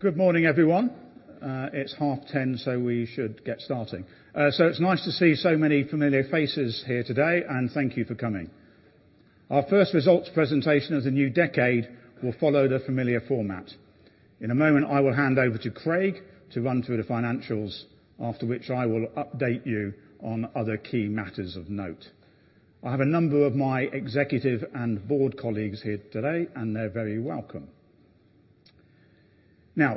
Good morning, everyone. It's 10:30, we should get started. It's nice to see so many familiar faces here today, and thank you for coming. Our first results presentation of the new decade will follow the familiar format. In a moment, I will hand over to Craig to run through the financials, after which I will update you on other key matters of note. I have a number of my executive and board colleagues here today, and they're very welcome.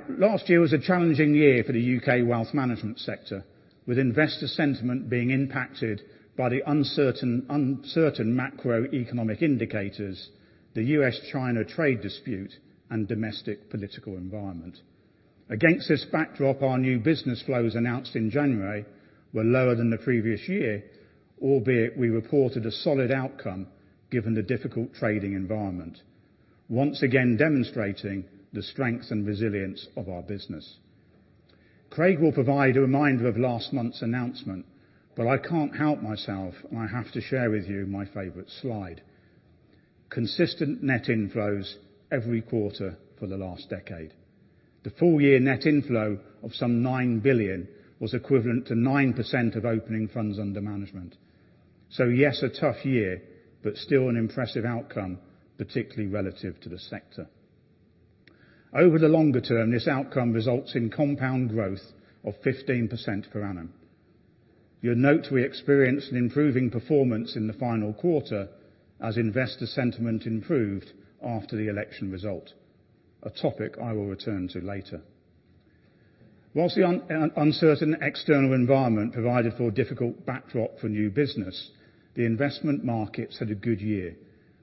Last year was a challenging year for the wealth management sector, with investor sentiment being impacted by the uncertain macroeconomic indicators, the US-China trade dispute, and domestic political environment. Against this backdrop, our new business flows announced in January were lower than the previous year, albeit we reported a solid outcome given the difficult trading environment, once again demonstrating the strength and resilience of our business. Craig will provide a reminder of last month's announcement, but I can't help myself, and I have to share with you my favorite slide. Consistent net inflows every quarter for the last decade. The full year net inflow of some 9 billion was equivalent to 9% of opening funds under management. Yes, a tough year, but still an impressive outcome, particularly relative to the sector. Over the longer term, this outcome results in compound growth of 15% per annum. You'll note we experienced an improving performance in the final quarter as investor sentiment improved after the election result, a topic I will return to later. Whilst the uncertain external environment provided for a difficult backdrop for new business, the investment markets had a good year,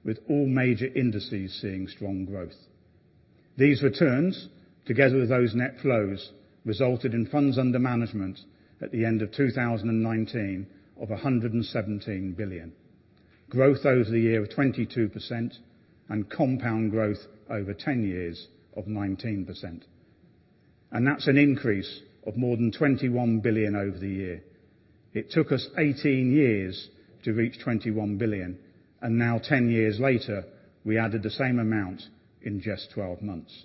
with all major indices seeing strong growth. These returns, together with those net flows, resulted in funds under management at the end of 2019 of 117 billion. Growth over the year of 22% and compound growth over 10 years of 19%. That's an increase of more than 21 billion over the year. It took us 18 years to reach 21 billion, and now 10 years later, we added the same amount in just 12 months.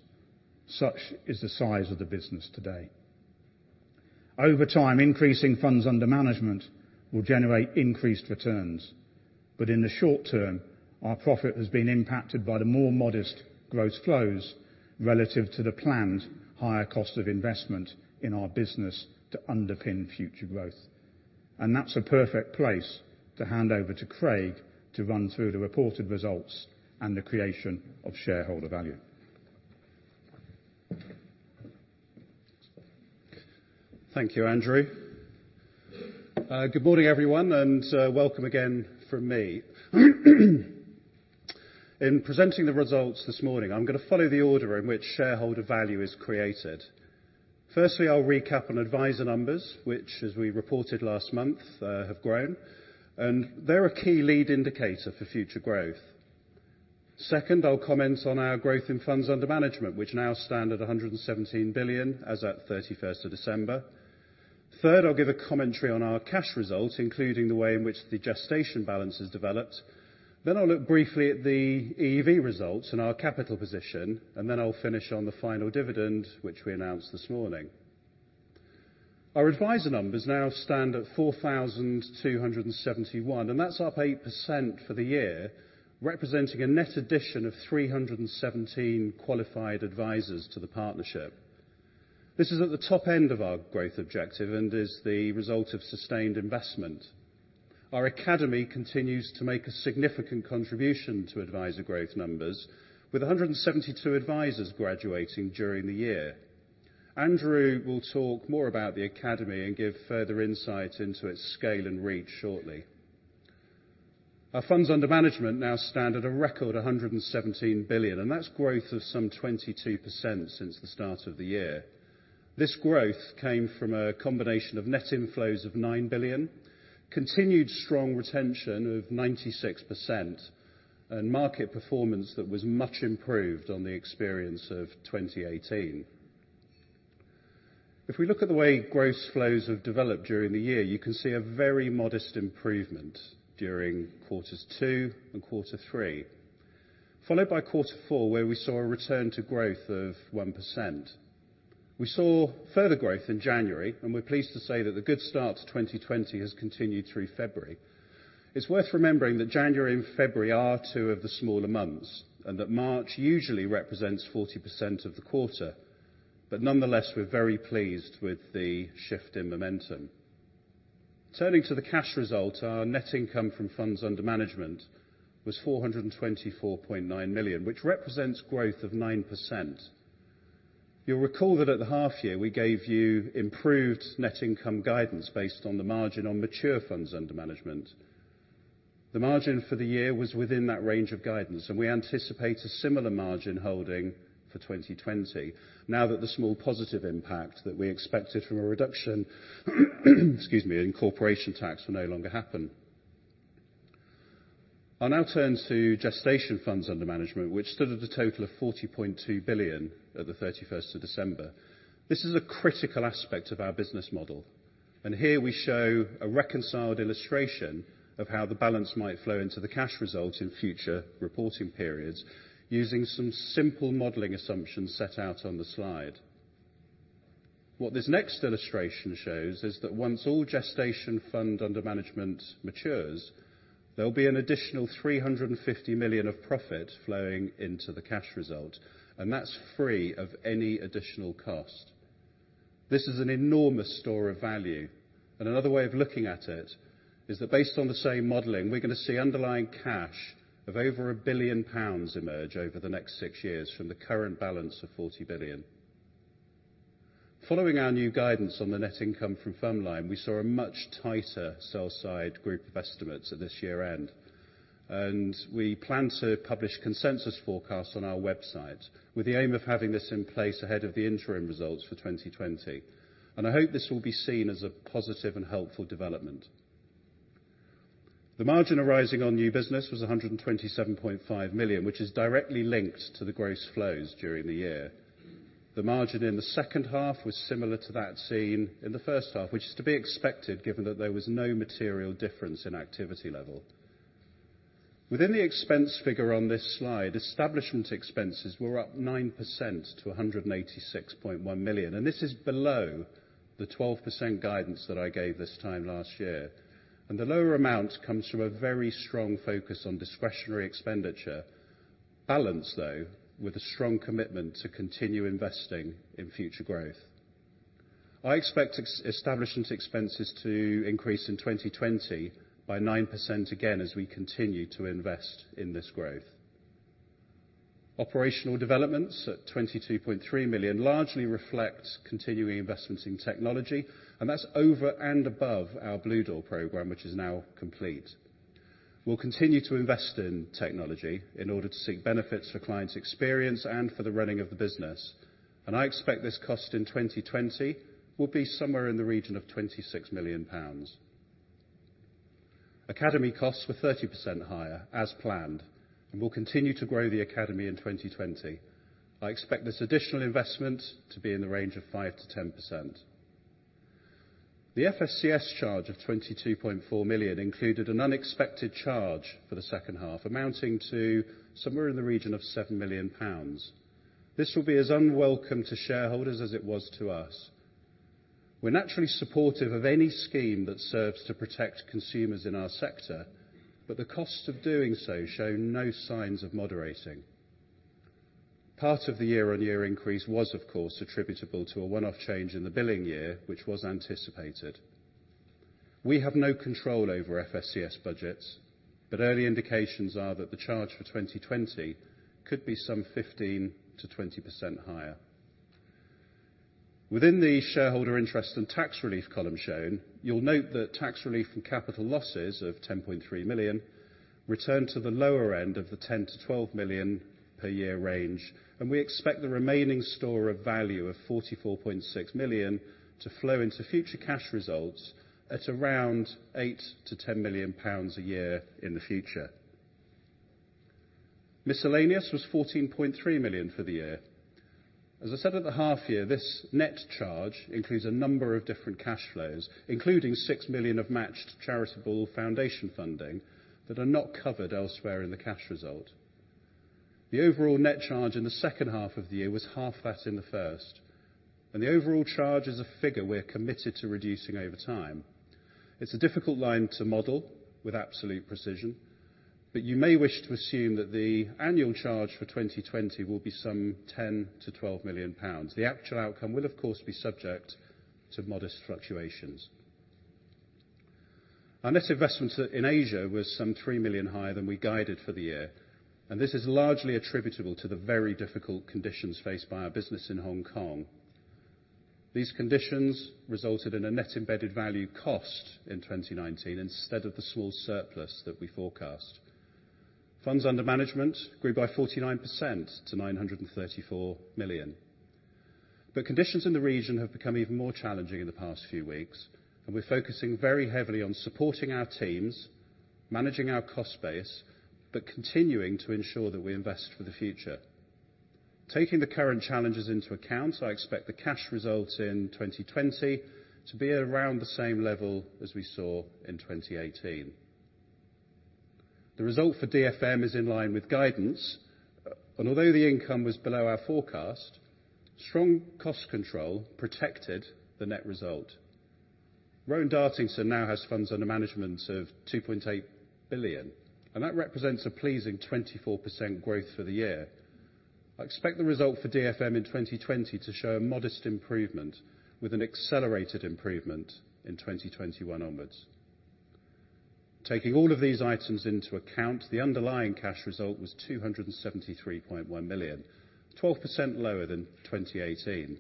Such is the size of the business today. Over time, increasing funds under management will generate increased returns. But in the short term, our profit has been impacted by the more modest growth flows relative to the planned higher cost of investment in our business to underpin future growth. That's a perfect place to hand over to Craig to run through the reported results and the creation of shareholder value. Thank you, Andrew. Good morning, everyone, and welcome again from me. In presenting the results this morning, I'm going to follow the order in which shareholder value is created. Firstly, I'll recap on advisor numbers, which, as we reported last month, have grown. They're a key lead indicator for future growth. Second, I'll comment on our growth in funds under management, which now stand at 117 billion as at 31st of December. Third, I'll give a commentary on our cash results, including the way in which the gestation balance has developed. Then I'll look briefly at the EEV results and our capital position, and then I'll finish on the final dividend, which we announced this morning. Our advisor numbers now stand at 4,271, and that's up 8% for the year, representing a net addition of 317 qualified advisors to the partnership. This is at the top end of our growth objective and is the result of sustained investment. Our academy continues to make a significant contribution to advisor growth numbers, with 172 advisors graduating during the year. Andrew will talk more about the academy and give further insight into its scale and reach shortly. Our funds under management now stand at a record 117 billion, That's growth of some 22% since the start of the year. This growth came from a combination of net inflows of 9 billion, continued strong retention of 96%, and market performance that was much improved on the experience of 2018. If we look at the way gross flows have developed during the year, you can see a very modest improvement during quarters two and quarter three, followed by quarter four, where we saw a return to growth of 1%. We saw further growth in January, we're pleased to say that the good start to 2020 has continued through February. It's worth remembering that January and February are two of the smaller months, that March usually represents 40% of the quarter. Nonetheless, we're very pleased with the shift in momentum. Turning to the cash result, our net income from funds under management was 424.9 million, which represents growth of 9%. You'll recall that at the half year, we gave you improved net income guidance based on the margin on mature funds under management. The margin for the year was within that range of guidance, we anticipate a similar margin holding for 2020 now that the small positive impact that we expected from a reduction excuse me, in corporation tax will no longer happen. I'll now turn to gestation funds under management, which stood at a total of 40.2 billion at the 31st of December. This is a critical aspect of our business model. Here we show a reconciled illustration of how the balance might flow into the cash result in future reporting periods using some simple modeling assumptions set out on the slide. What this next illustration shows is that once all gestation fund under management matures, there will be an additional 350 million of profit flowing into the cash result, and that's free of any additional cost. This is an enormous store of value. Another way of looking at it is that based on the same modeling, we're going to see underlying cash of over 1 billion pounds emerge over the next six years from the current balance of 40 billion. Following our new guidance on the net income from FUM line, we saw a much tighter sell side group of estimates at this year-end. We plan to publish consensus forecasts on our website with the aim of having this in place ahead of the interim results for 2020. I hope this will be seen as a positive and helpful development. The margin arising on new business was 127.5 million, which is directly linked to the gross flows during the year. The margin in the second half was similar to that seen in the first half, which is to be expected given that there was no material difference in activity level. Within the expense figure on this slide, establishment expenses were up 9% to 186.1 million. This is below the 12% guidance that I gave this time last year. And the lower amount comes from a very strong focus on discretionary expenditure, balanced, though, with a strong commitment to continue investing in future growth. I expect establishment expenses to increase in 2020 by 9% again, as we continue to invest in this growth. Operational developments at 22.3 million largely reflect continuing investments in technology, and that's over and above our Bluedoor program, which is now complete. We'll continue to invest in technology in order to seek benefits for clients' experience and for the running of the business. I expect this cost in 2020 will be somewhere in the region of 26 million pounds. Academy costs were 30% higher as planned and will continue to grow the academy in 2020. I expect this additional investment to be in the range of 5%-10%. The FSCS charge of 22.4 million included an unexpected charge for the second half, amounting to somewhere in the region of GBP 7 million. This will be as unwelcome to shareholders as it was to us. We're naturally supportive of any scheme that serves to protect consumers in our sector, but the cost of doing so show no signs of moderating. Part of the year-on-year increase was, of course, attributable to a one-off change in the billing year, which was anticipated. We have no control over FSCS budgets, but early indications are that the charge for 2020 could be some 15%-20% higher. Within the shareholder interest and tax relief column shown, you'll note that tax relief and capital losses of 10.3 million return to the lower end of the 10 million-12 million per year range. We expect the remaining store of value of 44.6 million to flow into future cash results at around 8 million-10 million pounds a year in the future. Miscellaneous was 14.3 million for the year. As I said at the half year, this net charge includes a number of different cash flows, including 6 million of matched charitable foundation funding that are not covered elsewhere in the cash result. The overall net charge in the second half of the year was half that in the first. The overall charge is a figure we are committed to reducing over time. It's a difficult line to model with absolute precision, you may wish to assume that the annual charge for 2020 will be some 10 million-12 million pounds. The actual outcome will, of course, be subject to modest fluctuations. Our net investment in Asia was some 3 million higher than we guided for the year, and this is largely attributable to the very difficult conditions faced by our business in Hong Kong. These conditions resulted in a net embedded value cost in 2019 instead of the small surplus that we forecast. Funds under management grew by 49% to 934 million. Conditions in the region have become even more challenging in the past few weeks, and we're focusing very heavily on supporting our teams, managing our cost base, but continuing to ensure that we invest for the future. Taking the current challenges into account, I expect the cash results in 2020 to be around the same level as we saw in 2018. The result for DFM is in line with guidance. Although the income was below our forecast, strong cost control protected the net result. Rowan Dartington now has funds under management of 2.8 billion, that represents a pleasing 24% growth for the year. I expect the result for DFM in 2020 to show a modest improvement with an accelerated improvement in 2021 onwards. Taking all of these items into account, the underlying cash result was 273.1 million. 12% lower than 2018,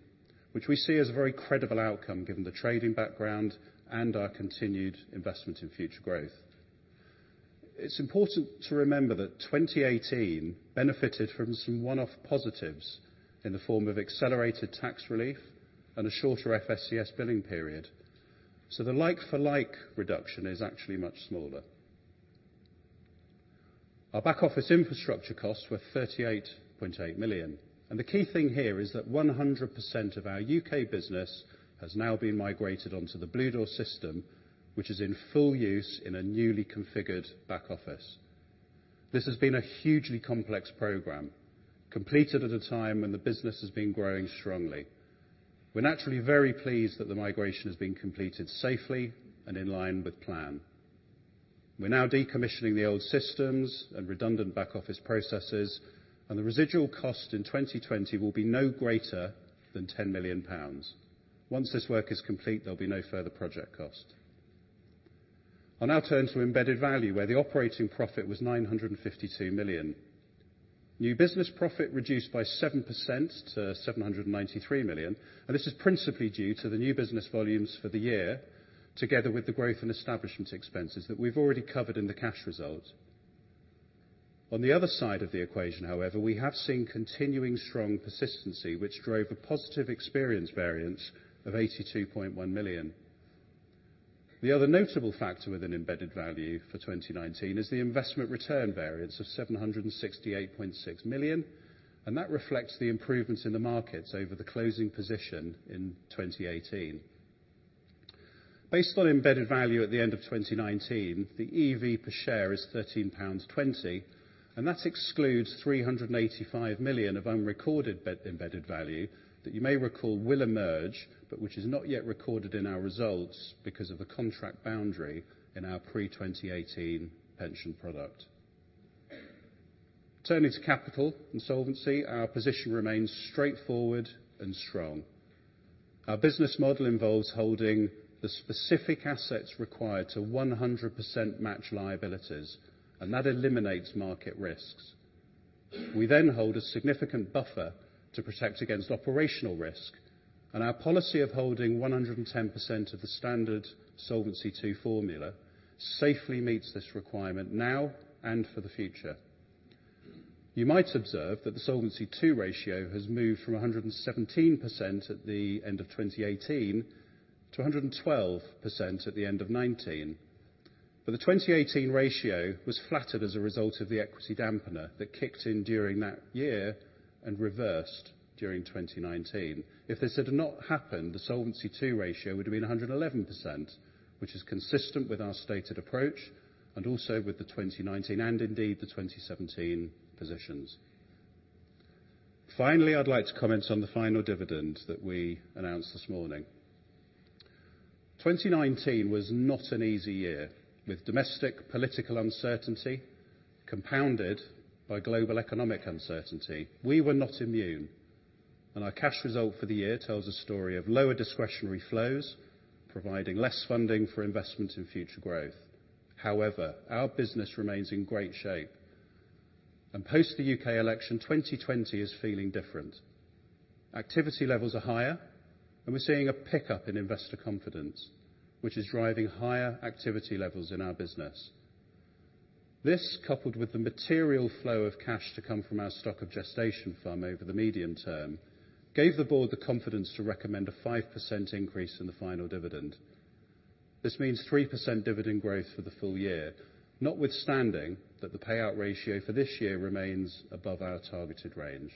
which we see as a very credible outcome given the trading background and our continued investment in future growth. It's important to remember that 2018 benefited from some one-off positives in the form of accelerated tax relief and a shorter FSCS billing period. The like-for-like reduction is actually much smaller. Our back-office infrastructure costs were 38.8 million. The key thing here is that 100% of our UK business has now been migrated onto the Bluedoor system, which is in full use in a newly configured back office. This has been a hugely complex program, completed at a time when the business has been growing strongly. We're naturally very pleased that the migration has been completed safely and in line with plan. We're now decommissioning the old systems and redundant back-office processes, and the residual cost in 2020 will be no greater than 10 million pounds. Once this work is complete, there'll be no further project cost. I'll now turn to embedded value, where the operating profit was 952 million. New business profit reduced by 7% to 793 million. This is principally due to the new business volumes for the year, together with the growth in establishment expenses that we've already covered in the cash result. On the other side of the equation, however, we have seen continuing strong persistency, which drove a positive experience variance of 82.1 million. The other notable factor with an embedded value for 2019 is the investment return variance of 768.6 million. That reflects the improvements in the markets over the closing position in 2018. Based on embedded value at the end of 2019, the EV per share is 13.20 pounds. That excludes 385 million of unrecorded embedded value that you may recall will emerge, but which is not yet recorded in our results because of the contract boundary in our pre-2018 pension product. Turning to capital and solvency, our position remains straightforward and strong. Our business model involves holding the specific assets required to 100% match liabilities, and that eliminates market risks. We then hold a significant buffer to protect against operational risk, and our policy of holding 110% of the standard Solvency II formula safely meets this requirement now and for the future. You might observe that the Solvency II ratio has moved from 117% at the end of 2018 to 112% at the end of 2019. The 2018 ratio was flattered as a result of the equity dampener that kicked in during that year and reversed during 2019. If this had not happened, the Solvency II ratio would have been 111%, which is consistent with our stated approach and also with the 2019 and indeed the 2017 positions. Finally, I'd like to comment on the final dividend that we announced this morning. 2019 was not an easy year, with domestic political uncertainty compounded by global economic uncertainty. We were not immune. Our cash result for the year tells a story of lower discretionary flows, providing less funding for investment in future growth. However, our business remains in great shape. Post the UK election, 2020 is feeling different. Activity levels are higher, and we're seeing a pickup in investor confidence, which is driving higher activity levels in our business. This, coupled with the material flow of cash to come from our stock of gestation funds over the medium term, gave the board the confidence to recommend a 5% increase in the final dividend. This means 3% dividend growth for the full year, notwithstanding that the payout ratio for this year remains above our targeted range.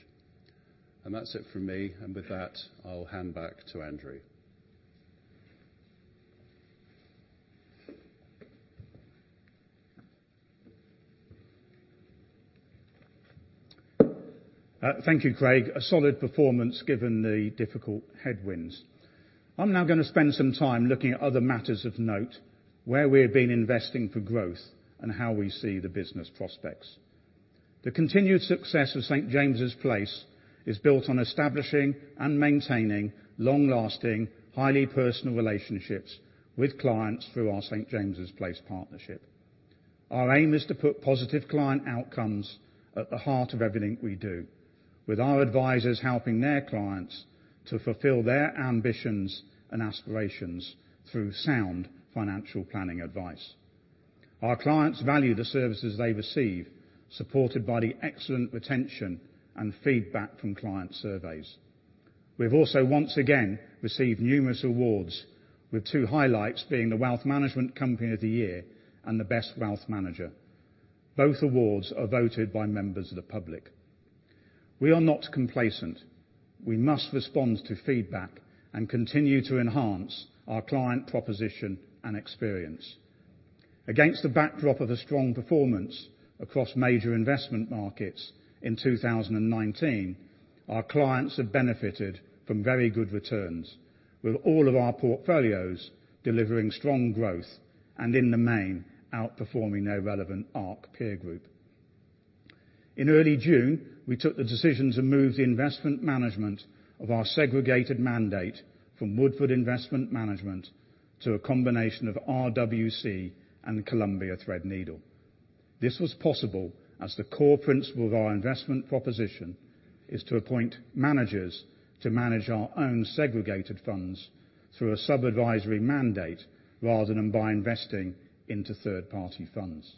And that's it from me. With that, I'll hand back to Andrew. Thank you, Craig. A solid performance given the difficult headwinds. I'm now going to spend some time looking at other matters of note, where we have been investing for growth, and how we see the business prospects. The continued success of St. James's Place is built on establishing and maintaining long-lasting, highly personal relationships with clients through our St. James's Place partnership. Our aim is to put positive client outcomes at the heart of everything we do, with our advisors helping their clients to fulfill their ambitions and aspirations through sound financial planning advice. Our clients value the services they receive, supported by the excellent retention and feedback from client surveys. We have also, once again, received numerous awards, with two highlights being the Wealth Management Company of the Year and the Best Wealth Manager. Both awards are voted by members of the public. We are not complacent. We must respond to feedback and continue to enhance our client proposition and experience. Against the backdrop of a strong performance across major investment markets in 2019, our clients have benefited from very good returns, with all of our portfolios delivering strong growth and, in the main, outperforming their relevant ARC peer group. In early June, we took the decision to move the investment management of our segregated mandate from Woodford Investment Management to a combination of RWC and Columbia Threadneedle. This was possible as the core principle of our investment proposition is to appoint managers to manage our own segregated funds through a sub-advisory mandate rather than by investing into third-party funds.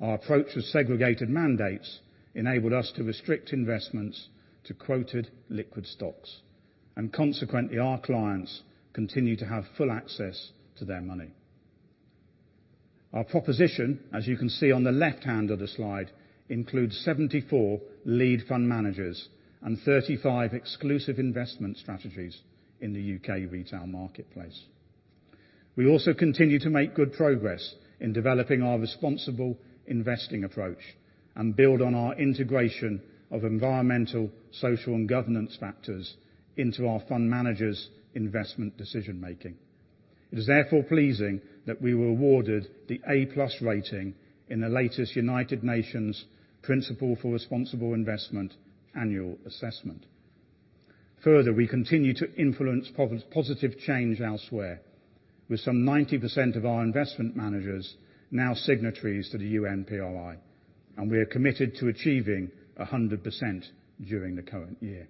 Our approach with segregated mandates enabled us to restrict investments to quoted liquid stocks. Consequently, our clients continue to have full access to their money. Our proposition, as you can see on the left-hand of the slide, includes 74 lead fund managers and 35 exclusive investment strategies in the UK retail marketplace. We also continue to make good progress in developing our responsible investing approach and build on our integration of environmental, social, and governance factors into our fund managers' investment decision-making. It is therefore pleasing that we were awarded the A+ rating in the latest United Nations Principles for Responsible Investment annual assessment. We continue to influence positive change elsewhere, with some 90% of our investment managers now signatories to the UNPRI, and we are committed to achieving 100% during the current year.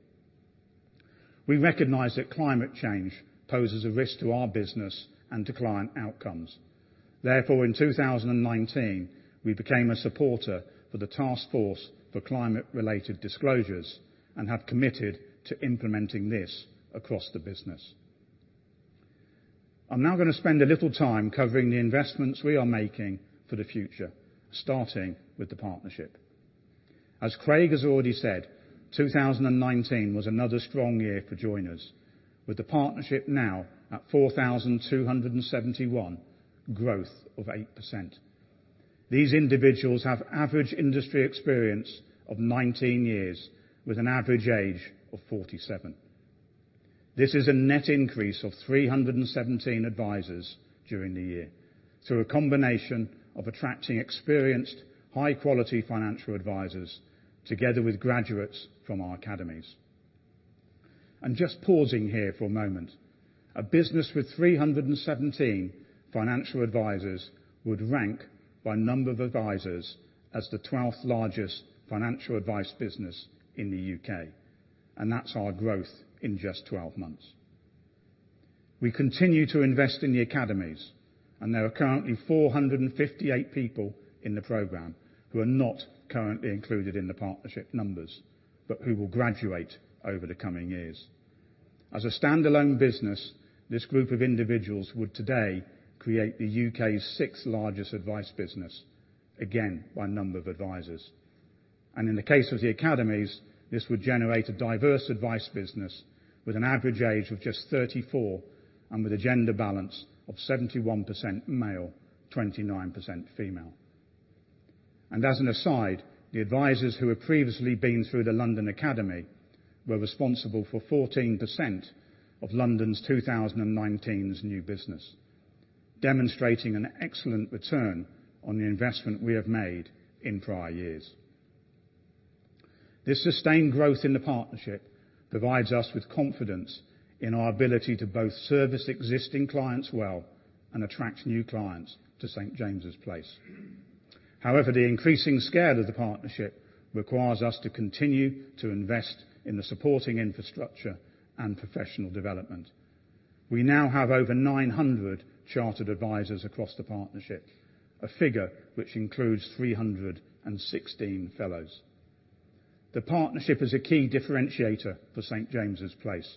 We recognize that climate change poses a risk to our business and to client outcomes. In 2019, we became a supporter for the Task Force on Climate-related Disclosures and have committed to implementing this across the business. I'm now going to spend a little time covering the investments we are making for the future, starting with the partnership. As Craig has already said, 2019 was another strong year for joiners, with the partnership now at 4,271, growth of 8%. These individuals have average industry experience of 19 years with an average age of 47. This is a net increase of 317 advisors during the year through a combination of attracting experienced, high-quality financial advisors together with graduates from our academies. Just pausing here for a moment, a business with 317 financial advisors would rank by number of advisors as the 12th largest financial advice business in the U.K., and that's our growth in just 12 months. We continue to invest in the academies. There are currently 458 people in the program who are not currently included in the partnership numbers but who will graduate over the coming years. As a standalone business, this group of individuals would today create the UK's sixth largest advice business, again, by number of advisors. In the case of the academies, this would generate a diverse advice business with an average age of just 34 and with a gender balance of 71% male, 29% female. As an aside, the advisors who had previously been through the London Academy were responsible for 14% of London's 2019's new business, demonstrating an excellent return on the investment we have made in prior years. This sustained growth in the partnership provides us with confidence in our ability to both service existing clients well and attract new clients to St. James's Place. However, the increasing scale of the partnership requires us to continue to invest in the supporting infrastructure and professional development. We now have over 900 chartered advisors across the partnership, a figure which includes 316 fellows. The partnership is a key differentiator for St. James's Place,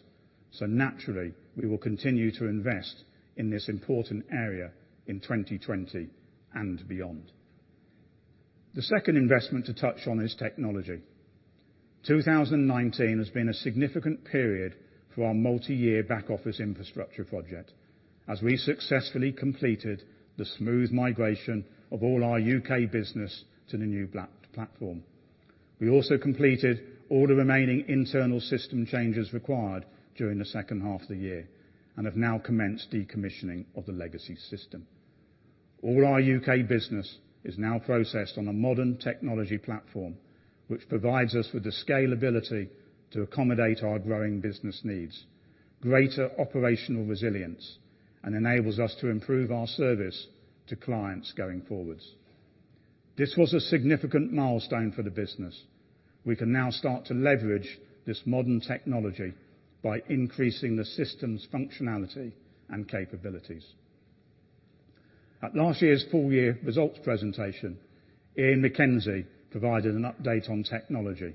so naturally, we will continue to invest in this important area in 2020 and beyond. The second investment to touch on is technology. 2019 has been a significant period for our multi-year back office infrastructure project as we successfully completed the smooth migration of all our UK business to the new platform. We also completed all the remaining internal system changes required during the second half of the year and have now commenced decommissioning of the legacy system. All our UK business is now processed on a modern technology platform, which provides us with the scalability to accommodate our growing business needs, greater operational resilience, and enables us to improve our service to clients going forwards. This was a significant milestone for the business. We can now start to leverage this modern technology by increasing the system's functionality and capabilities. At last year's full-year results presentation, Ian MacKenzie provided an update on technology,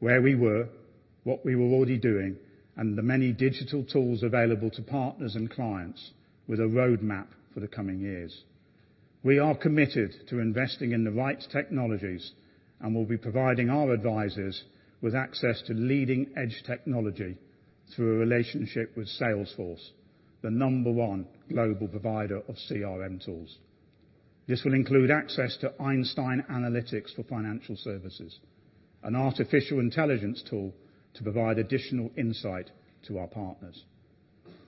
where we were, what we were already doing, and the many digital tools available to partners and clients with a roadmap for the coming years. We are committed to investing in the right technologies and will be providing our advisors with access to leading-edge technology through a relationship with Salesforce, the number one global provider of CRM tools. This will include access to Einstein Analytics for Financial Services, an artificial intelligence tool to provide additional insight to our partners.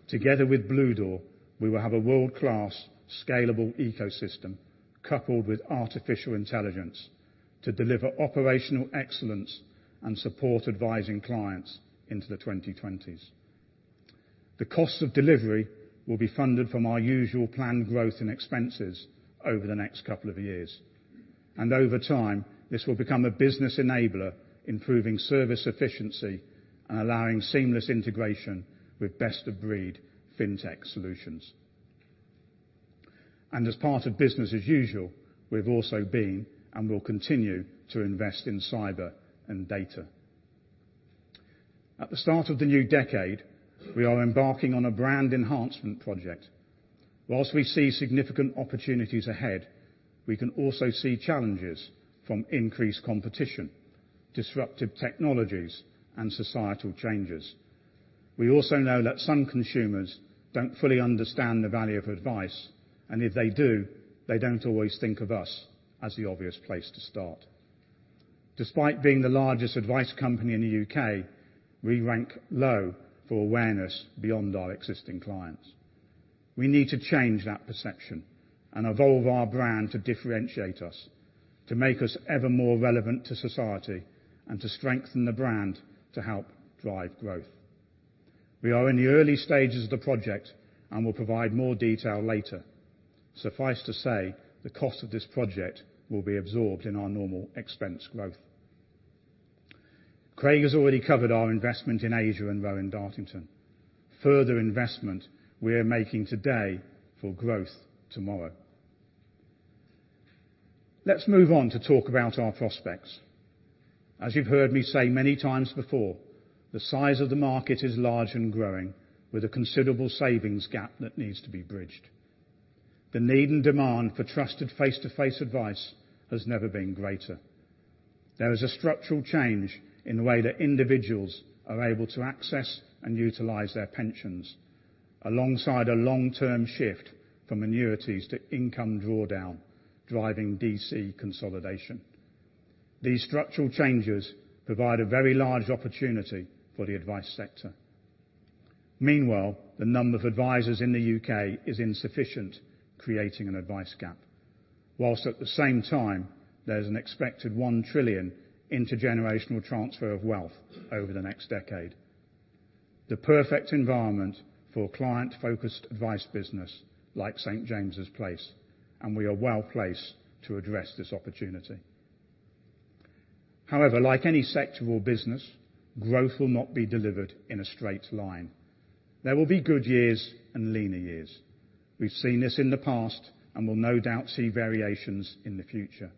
Together with Bluedoor, we will have a world-class, scalable ecosystem coupled with artificial intelligence to deliver operational excellence and support advising clients into the 2020s. The cost of delivery will be funded from our usual planned growth and expenses over the next couple of years. Over time, this will become a business enabler, improving service efficiency and allowing seamless integration with best-of-breed fintech solutions. And as part of business as usual, we've also been, and will continue, to invest in cyber and data. At the start of the new decade, we are embarking on a brand enhancement project. While we see significant opportunities ahead, we can also see challenges from increased competition, disruptive technologies, and societal changes. We also know that some consumers don't fully understand the value of advice, and if they do, they don't always think of us as the obvious place to start. Despite being the largest advice company in the U.K., we rank low for awareness beyond our existing clients. We need to change that perception and evolve our brand to differentiate us, to make us ever more relevant to society, and to strengthen the brand to help drive growth. We are in the early stages of the project, and will provide more detail later. Suffice to say, the cost of this project will be absorbed in our normal expense growth. Craig has already covered our investment in Asia and Rowan Dartington, further investment we're making today for growth tomorrow. Let's move on to talk about our prospects. As you've heard me say many times before, the size of the market is large and growing with a considerable savings gap that needs to be bridged. The need and demand for trusted face-to-face advice has never been greater. There is a structural change in the way that individuals are able to access and utilize their pensions, alongside a long-term shift from annuities to income drawdown driving DC consolidation. These structural changes provide a very large opportunity for the advice sector. Meanwhile, the number of advisors in the U.K. is insufficient, creating an advice gap. Whilst at the same time, there's an expected 1 trillion intergenerational transfer of wealth over the next decade. The perfect environment for a client-focused advice business like St. James's Place, and we are well-placed to address this opportunity. However, like any sector or business, growth will not be delivered in a straight line. There will be good years and leaner years. We've seen this in the past and will no doubt see variations in the future.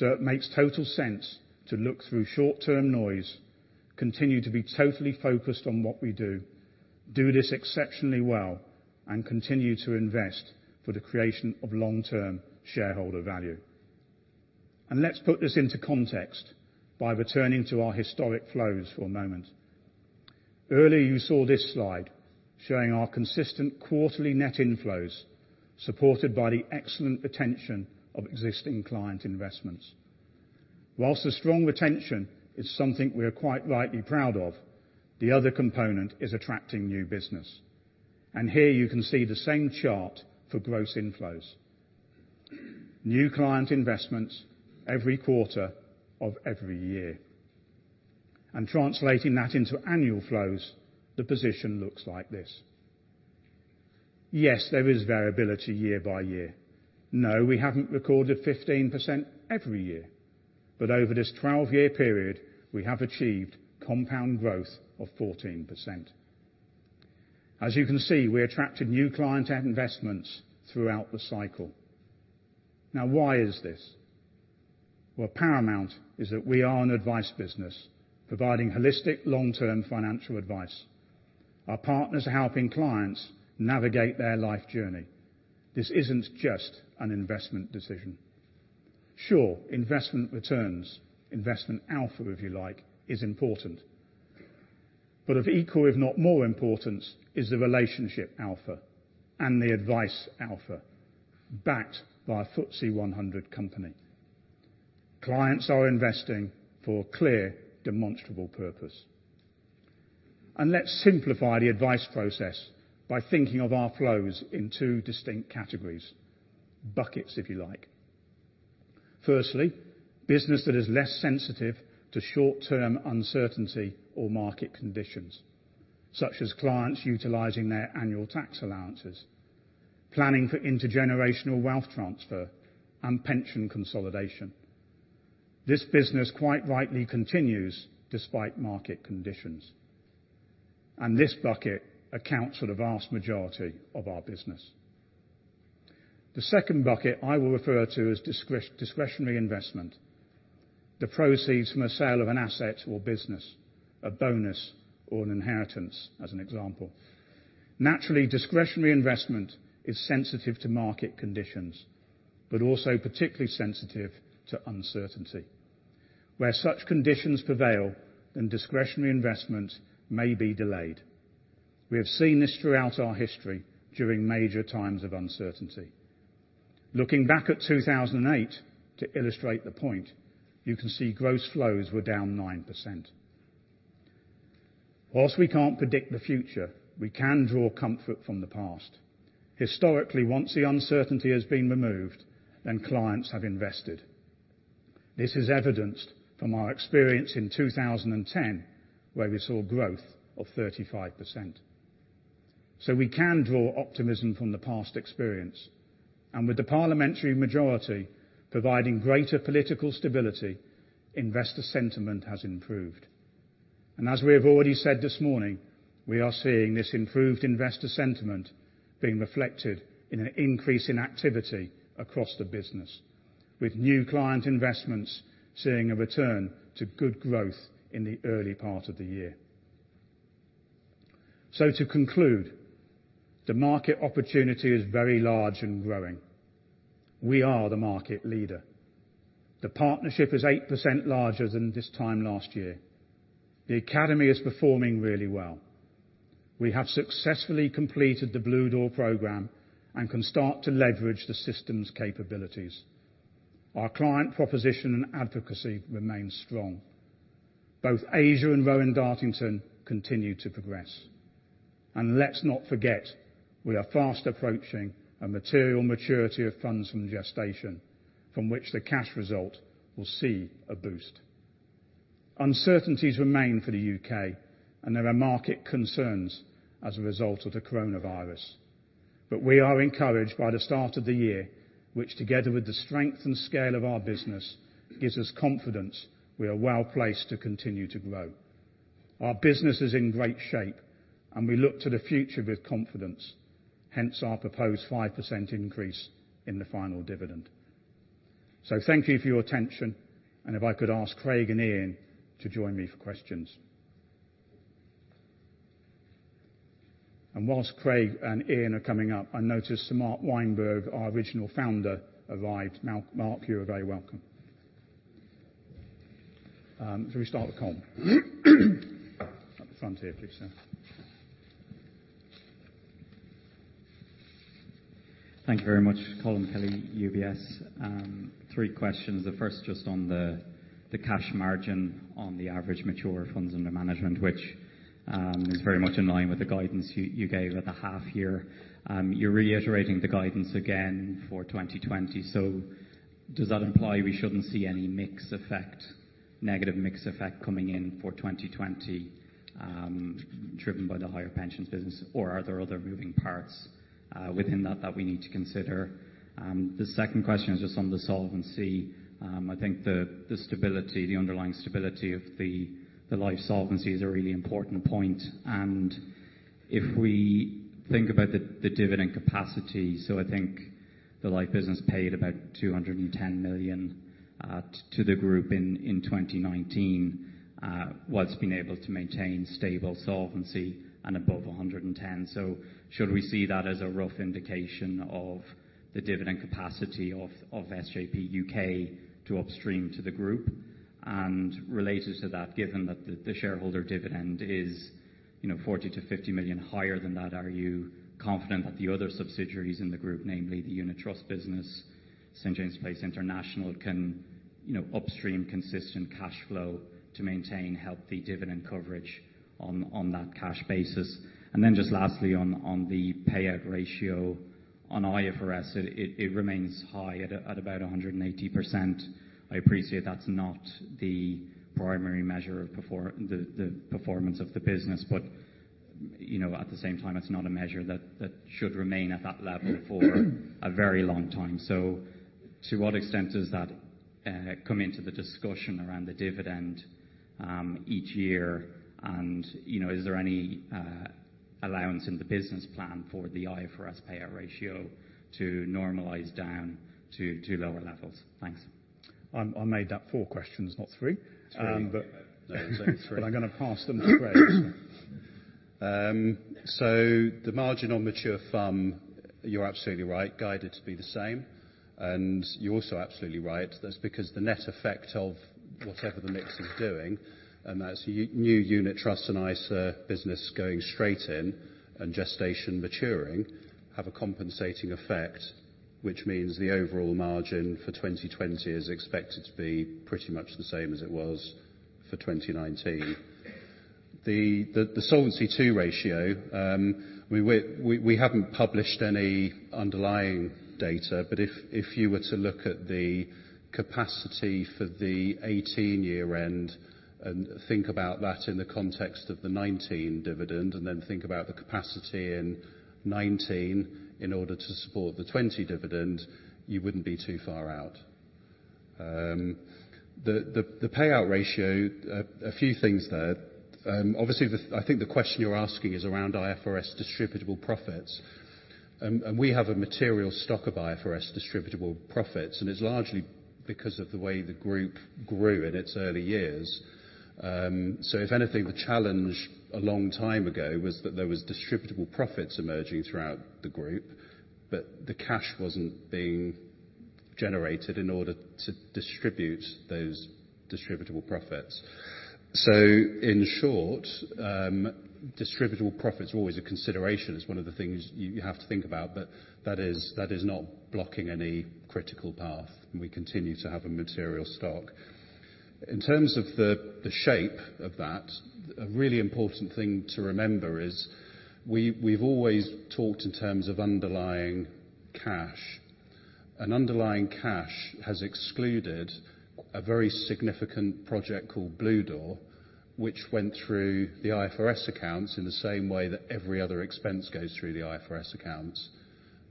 It makes total sense to look through short-term noise, continue to be totally focused on what we do this exceptionally well, and continue to invest for the creation of long-term shareholder value. And let's put this into context by returning to our historic flows for a moment. Earlier you saw this slide showing our consistent quarterly net inflows supported by the excellent retention of existing client investments. Whilst the strong retention is something we are quite rightly proud of, the other component is attracting new business. Here you can see the same chart for gross inflows. New client investments every quarter of every year. And translating that into annual flows, the position looks like this. Yes, there is variability year by year. No, we haven't recorded 15% every year. But over this 12-year period, we have achieved compound growth of 14%. As you can see, we attracted new client investments throughout the cycle. Why is this? Well, paramount is that we are an advice business providing holistic long-term financial advice. Our partners are helping clients navigate their life journey. This isn't just an investment decision. Sure, investment returns, investment alpha, if you like, is important. Of equal, if not more important, is the relationship alpha and the advice alpha backed by a FTSE 100 company. Clients are investing for clear, demonstrable purpose. Let's simplify the advice process by thinking of our flows in two distinct categories, buckets, if you like. Firstly, business that is less sensitive to short-term uncertainty or market conditions, such as clients utilizing their annual tax allowances, planning for intergenerational wealth transfer, and pension consolidation. This business quite rightly continues despite market conditions. This bucket accounts for the vast majority of our business. The second bucket I will refer to as discretionary investment. The proceeds from a sale of an asset or business, a bonus, or an inheritance as an example. Naturally, discretionary investment is sensitive to market conditions, but also particularly sensitive to uncertainty. Where such conditions prevail, then discretionary investments may be delayed. We have seen this throughout our history during major times of uncertainty. Looking back at 2008 to illustrate the point, you can see gross flows were down 9%. While we can't predict the future, we can draw comfort from the past. Historically, once the uncertainty has been removed, then clients have invested. This is evidenced from our experience in 2010, where we saw growth of 35%. We can draw optimism from the past experience. And with the parliamentary majority providing greater political stability, investor sentiment has improved. As we have already said this morning, we are seeing this improved investor sentiment being reflected in an increase in activity across the business, with new client investments seeing a return to good growth in the early part of the year. To conclude, the market opportunity is very large and growing. We are the market leader. The partnership is 8% larger than this time last year. The academy is performing really well. We have successfully completed the Bluedoor program and can start to leverage the system's capabilities. Our client proposition and advocacy remains strong. Both Asia and Rowan Dartington continue to progress. Let's not forget, we are fast approaching a material maturity of funds from gestation, from which the cash result will see a boost. Uncertainties remain for the U.K., and there are market concerns as a result of the coronavirus. We are encouraged by the start of the year, which together with the strength and scale of our business, gives us confidence we are well placed to continue to grow. Our business is in great shape, and we look to the future with confidence, hence our proposed 5% increase in the final dividend. Thank you for your attention, and if I could ask Craig and Ian to join me for questions. While Craig and Ian are coming up, I notice Sir Mark Weinberg, our original founder, arrived. Mark, you are very welcome. Shall we start with Colm? At the front here, please, sir. Thank you very much. Colm Kelly, UBS. Three questions. The first just on the cash margin on the average mature funds under management, which is very much in line with the guidance you gave at the half year. You're reiterating the guidance again for 2020. Does that imply we shouldn't see any negative mix effect coming in for 2020, driven by the higher pensions business? Are there other moving parts within that that we need to consider? The second question is just on the solvency. I think the underlying stability of the life solvency is a really important point. If we think about the dividend capacity, so I think the life business paid about 210 million to the group in 2019, whilst being able to maintain stable solvency and above 110%. Should we see that as a rough indication of the dividend capacity of SJP UK to upstream to the group? Related to that, given that the shareholder dividend is 40 million-50 million higher than that, are you confident that the other subsidiaries in the group, namely the unit trust business, St. James's Place International, can upstream consistent cash flow to maintain healthy dividend coverage on that cash basis? Lastly on the payout ratio. On IFRS, it remains high at about 180%. I appreciate that's not the primary measure of the performance of the business, but at the same time, it's not a measure that should remain at that level for a very long time. To what extent does that come into the discussion around the dividend each year? And is there any allowance in the business plan for the IFRS payout ratio to normalize down to lower levels? Thanks. I made that four questions, not three. It's all right. I'm going to pass them to Craig. The margin on mature FUM, you're absolutely right, guided to be the same. You're also absolutely right, that's because the net effect of whatever the mix is doing, and that's new unit trusts and ISA business going straight in and gestation maturing, have a compensating effect, which means the overall margin for 2020 is expected to be pretty much the same as it was for 2019. The Solvency II ratio, we haven't published any underlying data. If you were to look at the capacity for the 2018 year-end and think about that in the context of the 2019 dividend, and then think about the capacity in 2019 in order to support the 2020 dividend, you wouldn't be too far out. The payout ratio, a few things there. Obviously, I think the question you're asking is around IFRS distributable profits. We have a material stock of IFRS distributable profits, and it's largely because of the way the group grew in its early years. If anything, the challenge a long time ago was that there was distributable profits emerging throughout the group, but the cash wasn't being generated in order to distribute those distributable profits. In short, distributable profits are always a consideration. It's one of the things you have to think about. That is not blocking any critical path, and we continue to have a material stock. In terms of the shape of that, a really important thing to remember is we've always talked in terms of underlying cash. Underlying cash has excluded a very significant project called Bluedoor, which went through the IFRS accounts in the same way that every other expense goes through the IFRS accounts.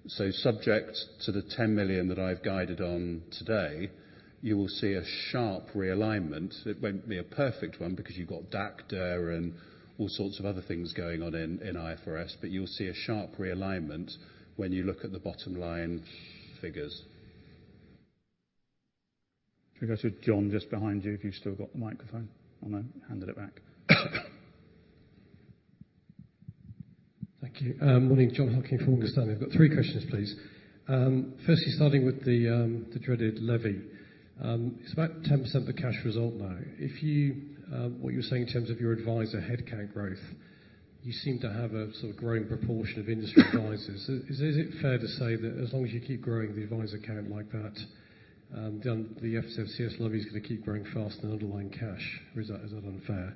Subject to the 10 million that I've guided on today, you will see a sharp realignment. It won't be a perfect one because you've got DAC and all sorts of other things going on in IFRS. You'll see a sharp realignment when you look at the bottom line figures. Should we go to Jon just behind you, if you've still got the microphone? Oh, no, handed it back. Thank you. Morning, Jon Hocking from Morgan Stanley. I've got three questions, please. Firstly, starting with the dreaded levy. It's about 10% the cash result now. What you were saying in terms of your adviser headcount growth, you seem to have a sort of growing proportion of industry advisers. Is it fair to say that as long as you keep growing the adviser count like that, the FSCS levy is going to keep growing faster than underlying cash? Or is that unfair?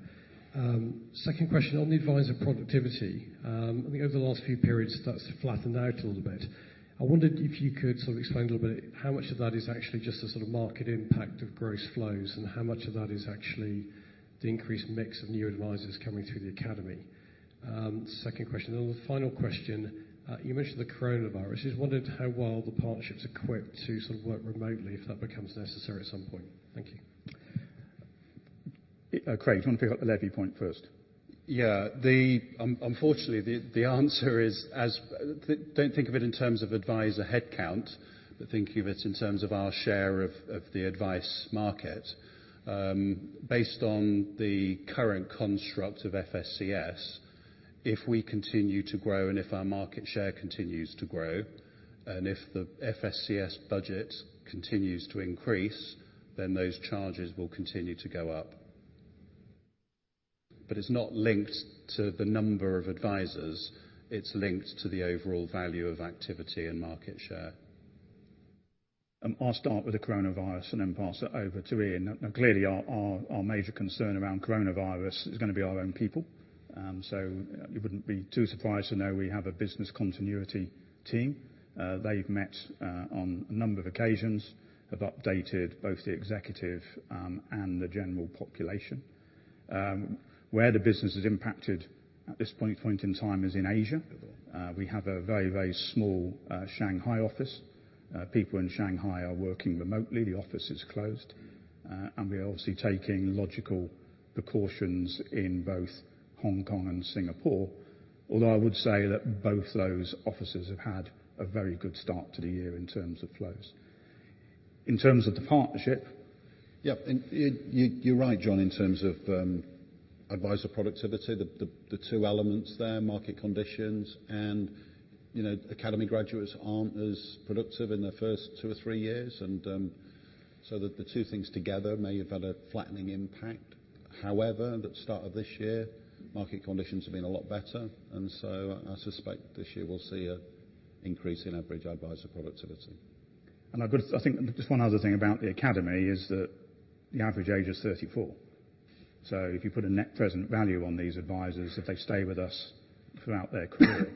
Second question on the adviser productivity. I think over the last few periods that's flattened out a little bit. I wondered if you could sort of explain a little bit how much of that is actually just a sort of market impact of gross flows, and how much of that is actually the increased mix of new advisers coming through the Academy? The final question, you mentioned the coronavirus. Just wondering how well the partnership's equipped to sort of work remotely if that becomes necessary at some point? Thank you. Craig, do you want to pick up the levy point first? Yeah. Unfortunately, the answer is don't think of it in terms of adviser headcount, but think of it in terms of our share of the advice market. Based on the current construct of FSCS, if we continue to grow and if our market share continues to grow, and if the FSCS budget continues to increase, then those charges will continue to go up. But it is not linked to the number of advisers. It is linked to the overall value of activity and market share. I'll start with the coronavirus and then pass it over to Ian. Clearly our major concern around coronavirus is going to be our own people. You wouldn't be too surprised to know we have a business continuity team. They've met on a number of occasions, have updated both the executive and the general population. Where the business is impacted at this point in time is in Asia. We have a very, very small Shanghai office. People in Shanghai are working remotely. The office is closed. We are obviously taking logical precautions in both Hong Kong and Singapore, although I would say that both those offices have had a very good start to the year in terms of flows. Yeah, you're right, Jon, in terms of adviser productivity, the two elements there, market conditions and Academy graduates aren't as productive in their first two or three years. The two things together may have had a flattening impact. However, at the start of this year, market conditions have been a lot better. I suspect this year we'll see an increase in average adviser productivity. I think just one other thing about the Academy is that the average age is 34. If you put a net present value on these advisers, if they stay with us throughout their career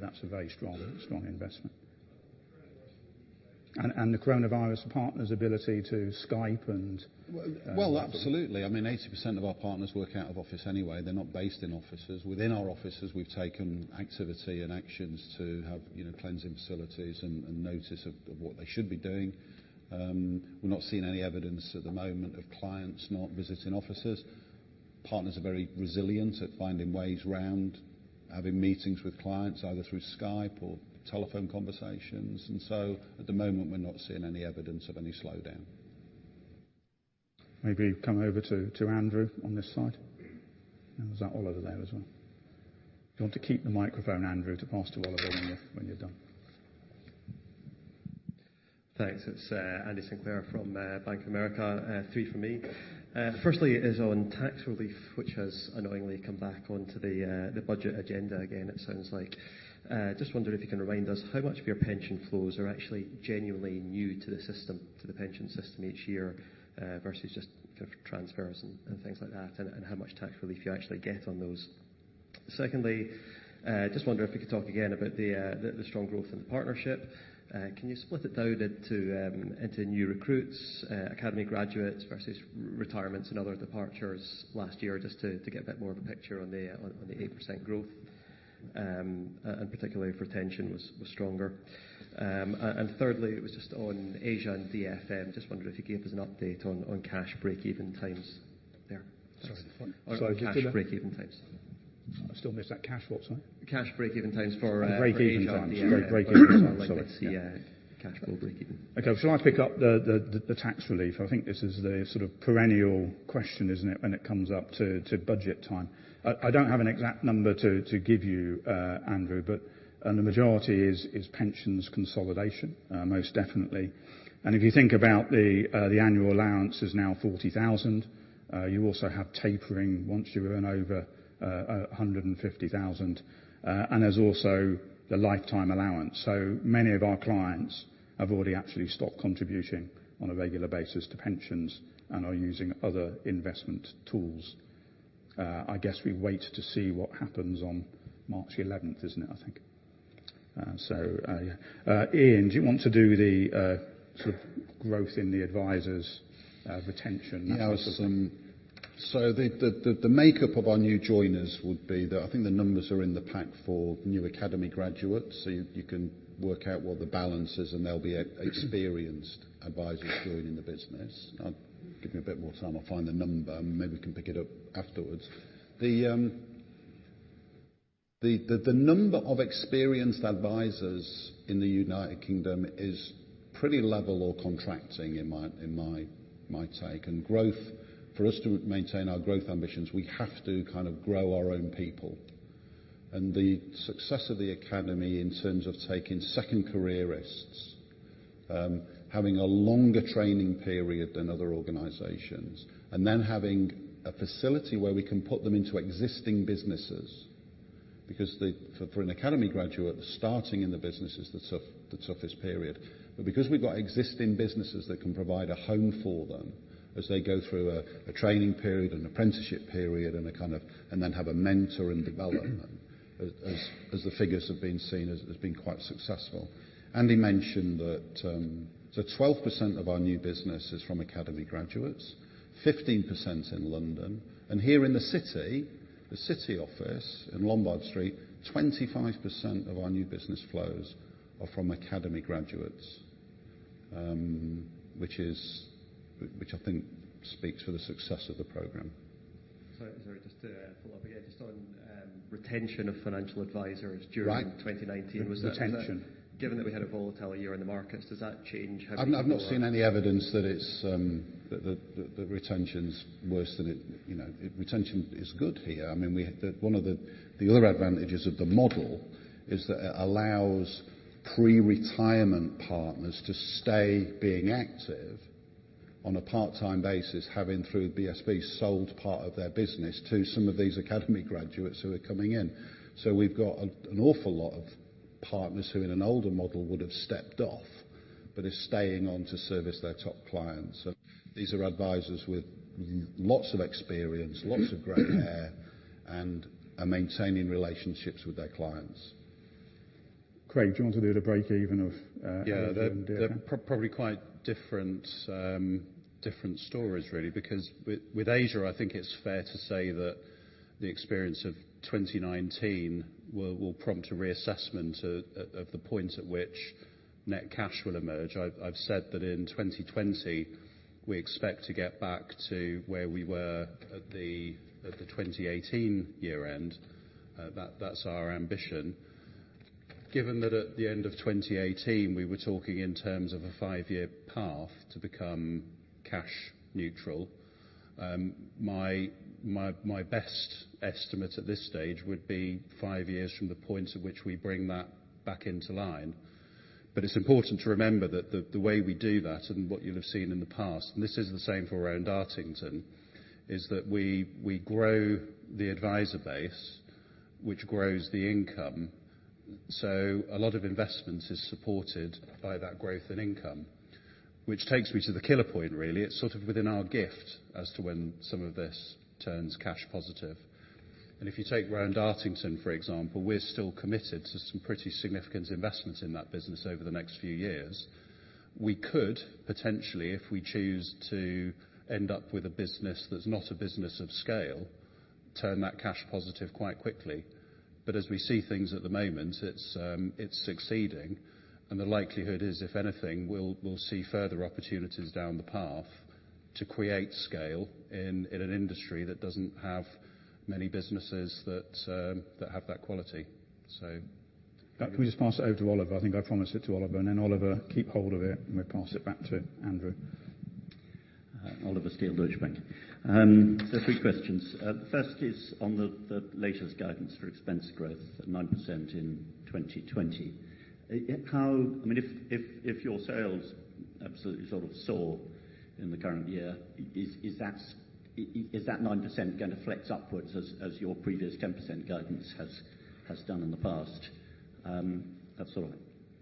that's a very strong investment. The coronavirus partners' ability to Skype and. Well, absolutely. I mean, 80% of our partners work out of office anyway. They're not based in offices. Within our offices we've taken activity and actions to have cleansing facilities and notice of what they should be doing. We're not seeing any evidence at the moment of clients not visiting offices. Partners are very resilient at finding ways around having meetings with clients, either through Skype or telephone conversations. At the moment, we're not seeing any evidence of any slowdown. Maybe come over to Andrew on this side. Was that Oliver there as well? If you want to keep the microphone, Andrew, to pass to Oliver when you're done. Thanks. It's Andrew Sinclair from Bank of America. Three from me. Firstly is on tax relief, which has annoyingly come back onto the budget agenda again it sounds like. Just wondering if you can remind us how much of your pension flows are actually genuinely new to the pension system each year, versus just transfers and things like that, and how much tax relief you actually get on those? Secondly, just wonder if you could talk again about the strong growth in the partnership. Can you split it out into new recruits, Academy graduates versus retirements and other departures last year, just to get a bit more of a picture on the 8% growth, and particularly if retention was stronger? Thirdly, it was just on Asia and DFM. Just wondered if you could give us an update on cash break-even times there. Thanks. Sorry, the final- On cash break-even times. I still missed that. Cash what, sorry? Cash break-even times for. Break-even times Break-even times, sorry. Like the cash flow break-even. Okay. Shall I pick up the tax relief? I think this is the sort of perennial question, isn't it, when it comes up to budget time. I don't have an exact number to give you, Andrew, but the majority is pensions consolidation, most definitely. If you think about the annual allowance is now 40,000. You also have tapering once you earn over 150,000. There's also the lifetime allowance. Many of our clients have already actually stopped contributing on a regular basis to pensions and are using other investment tools. I guess we wait to see what happens on March 11th, isn't it, I think? Ian, do you want to do the sort of growth in the advisers retention? The makeup of our new joiners would be the, I think the numbers are in the pack for new Academy graduates. You can work out what the balance is, and there'll be experienced advisors joining the business. Give me a bit more time, I'll find the number. Maybe we can pick it up afterwards. The number of experienced advisors in the United Kingdom is pretty level or contracting, in my take. For us to maintain our growth ambitions, we have to grow our own people. And the success of the Academy in terms of taking second careerists, having a longer training period than other organizations, and then having a facility where we can put them into existing businesses. Because for an Academy graduate, starting in the business is the toughest period. Because we've got existing businesses that can provide a home for them as they go through a training period, an apprenticeship period, and then have a mentor and development, as the figures have been seen, has been quite successful. Andy mentioned that 12% of our new business is from academy graduates, 15% in London, and here in the city, the city office in Lombard Street, 25% of our new business flows are from Academy graduates, which I think speaks for the success of the program. Sorry, just to follow up. Just on retention of financial advisors during. Right 2019. Retention. Given that we had a volatile year in the markets, does that change how you-? I've not seen any evidence that the retention's worse than it. Retention is good here. One of the other advantages of the model is that it allows pre-retirement partners to stay being active on a part-time basis, having, through BSP, sold part of their business to some of these Academy graduates who are coming in. We've got an awful lot of partners who, in an older model, would've stepped off, but are staying on to service their top clients. These are advisors with lots of experience, lots of gray hair, and are maintaining relationships with their clients. Craig, do you want to do the break even of? Yeah. They're probably quite different stories, really. With Asia, I think it's fair to say that the experience of 2019 will prompt a reassessment of the point at which net cash will emerge. I've said that in 2020, we expect to get back to where we were at the 2018 year-end. That's our ambition. Given that at the end of 2018, we were talking in terms of a five-year path to become cash neutral, my best estimate at this stage would be five years from the point at which we bring that back into line. But it's important to remember that the way we do that, and what you'll have seen in the past, and this is the same for Rowan Dartington, is that we grow the adviser base, which grows the income. A lot of investment is supported by that growth in income. Which takes me to the killer point, really. It's sort of within our gift as to when some of this turns cash positive. If you take Rowan Dartington, for example, we're still committed to some pretty significant investments in that business over the next few years. We could potentially, if we choose to end up with a business that's not a business of scale, turn that cash positive quite quickly. But as we see things at the moment, it's succeeding. The likelihood is, if anything, we'll see further opportunities down the path to create scale in an industry that doesn't have many businesses that have that quality. Can we just pass it over to Oliver? I think I promised it to Oliver. And Oliver, keep hold of it, and we'll pass it back to Andrew. Oliver Steele, Deutsche Bank. Three questions. First is on the latest guidance for expense growth at 9% in 2020. If your sales absolutely sort of soar in the current year, is that 9% gonna flex upwards as your previous 10% guidance has done in the past? That's sort of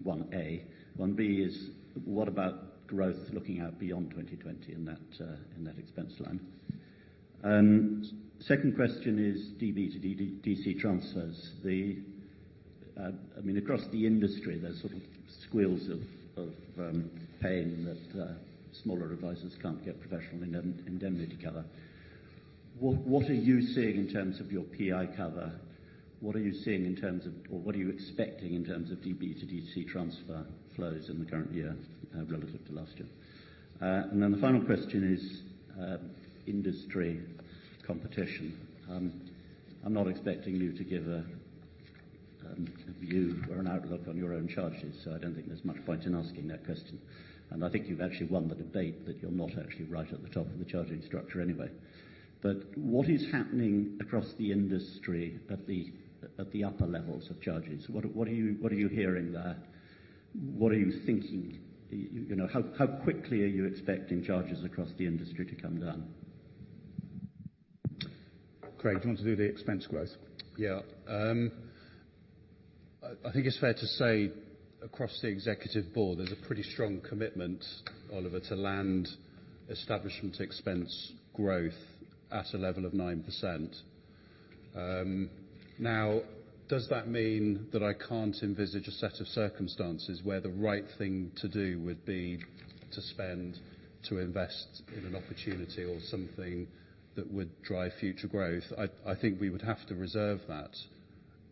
one A. One B is, what about growth looking out beyond 2020 in that expense line? Second question is DB to DC transfers. Across the industry, there's sort of squeals of pain that smaller advisors can't get professional indemnity cover. What are you seeing in terms of your PI cover? What are you seeing in terms of, or what are you expecting in terms of DB to DC transfer flows in the current year relative to last year? The final question is industry competition. I'm not expecting you to give a view or an outlook on your own charges, so I don't think there's much point in asking that question. I think you've actually won the debate that you're not actually right at the top of the charging structure anyway. But what is happening across the industry at the upper levels of charges? What are you hearing there? What are you thinking? How quickly are you expecting charges across the industry to come down? Craig, do you want to do the expense growth? Yeah. I think it's fair to say across the executive board, there's a pretty strong commitment, Oliver, to land establishment expense growth at a level of 9%. Does that mean that I can't envisage a set of circumstances where the right thing to do would be to spend, to invest in an opportunity or something that would drive future growth? I think we would have to reserve that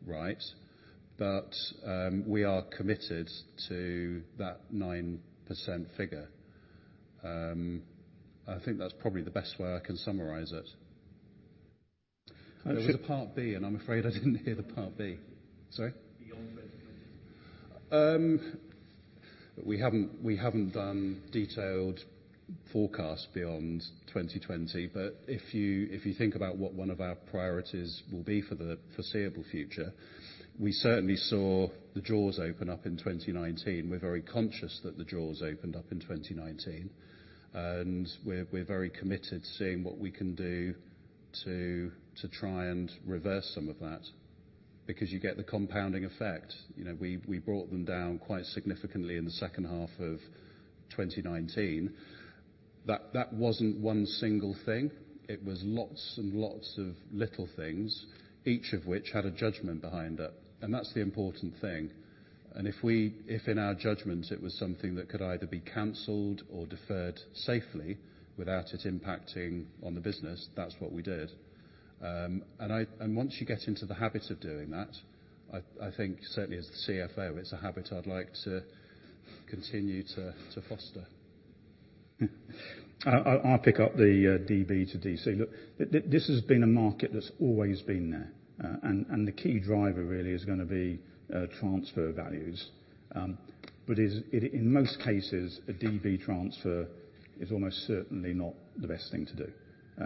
right. But we are committed to that 9% figure. I think that's probably the best way I can summarize it. There was a part B, and I'm afraid I didn't hear the part B. Sorry? Beyond 2020. We haven't done detailed forecasts beyond 2020. If you think about what one of our priorities will be for the foreseeable future, we certainly saw the drawdowns open up in 2019. We're very conscious that the drawdowns opened up in 2019, and we're very committed to seeing what we can do to try and reverse some of that. Because you get the compounding effect. We brought them down quite significantly in the second half of 2019. But that wasn't one single thing. It was lots and lots of little things, each of which had a judgment behind it. That's the important thing. If in our judgment it was something that could either be canceled or deferred safely without it impacting on the business, that's what we did. And once you get into the habit of doing that, I think certainly as the CFO, it's a habit I'd like to continue to foster. I'll pick up the DB to DC. Look, this has been a market that's always been there. The key driver really is going to be transfer values. In most cases, a DB transfer is almost certainly not the best thing to do.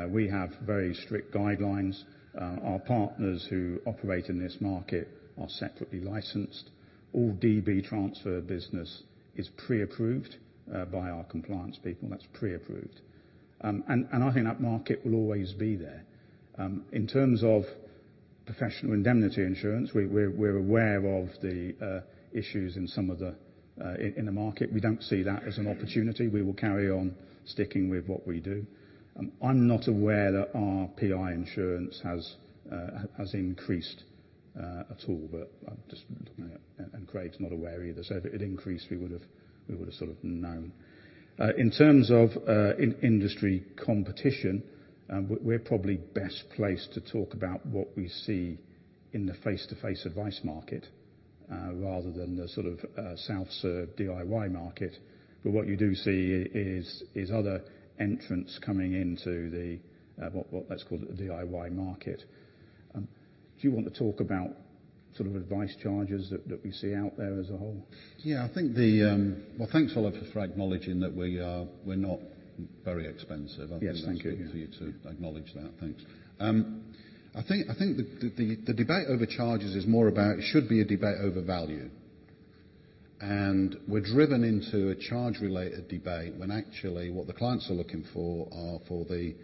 We have very strict guidelines. Our partners who operate in this market are separately licensed. All DB transfer business is pre-approved by our compliance people. That's pre-approved. And I think that market will always be there. In terms of professional indemnity insurance, we're aware of the issues in the market. We don't see that as an opportunity. We will carry on sticking with what we do. I'm not aware that our PI insurance has increased at all, but I'm just looking at it, and Craig's not aware either. If it increased, we would've known. In terms of industry competition, we're probably best placed to talk about what we see in the face-to-face advice market, rather than the sort of self-serve DIY market. What you do see is other entrants coming into the, let's call it the DIY market. Do you want to talk about sort of advice charges that we see out there as a whole? Yeah. Well, thanks, Oliver, for acknowledging that we're not very expensive. Yes, thank you. I'm happy for you to acknowledge that. Thanks. I think the debate over charges is more about it should be a debate over value. We're driven into a charge-related debate when actually what the clients are looking for are for the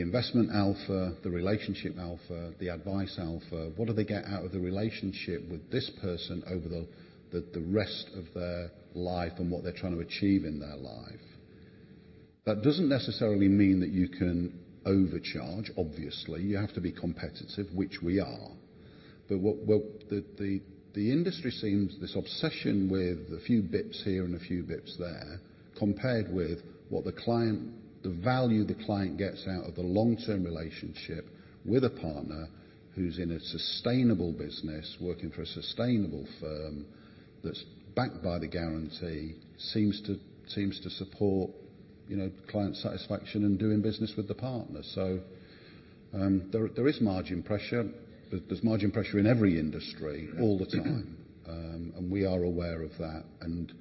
investment alpha, the relationship alpha, the advice alpha. What do they get out of the relationship with this person over the rest of their life and what they're trying to achieve in their life? That doesn't necessarily mean that you can overcharge, obviously. You have to be competitive, which we are. The industry seems this obsession with a few basis points here and a few basis points there, compared with the value the client gets out of the long-term relationship with a partner who's in a sustainable business, working for a sustainable firm that's backed by the guarantee, seems to support client satisfaction in doing business with the partner. There is margin pressure. There's margin pressure in every industry all the time. We are aware of that, and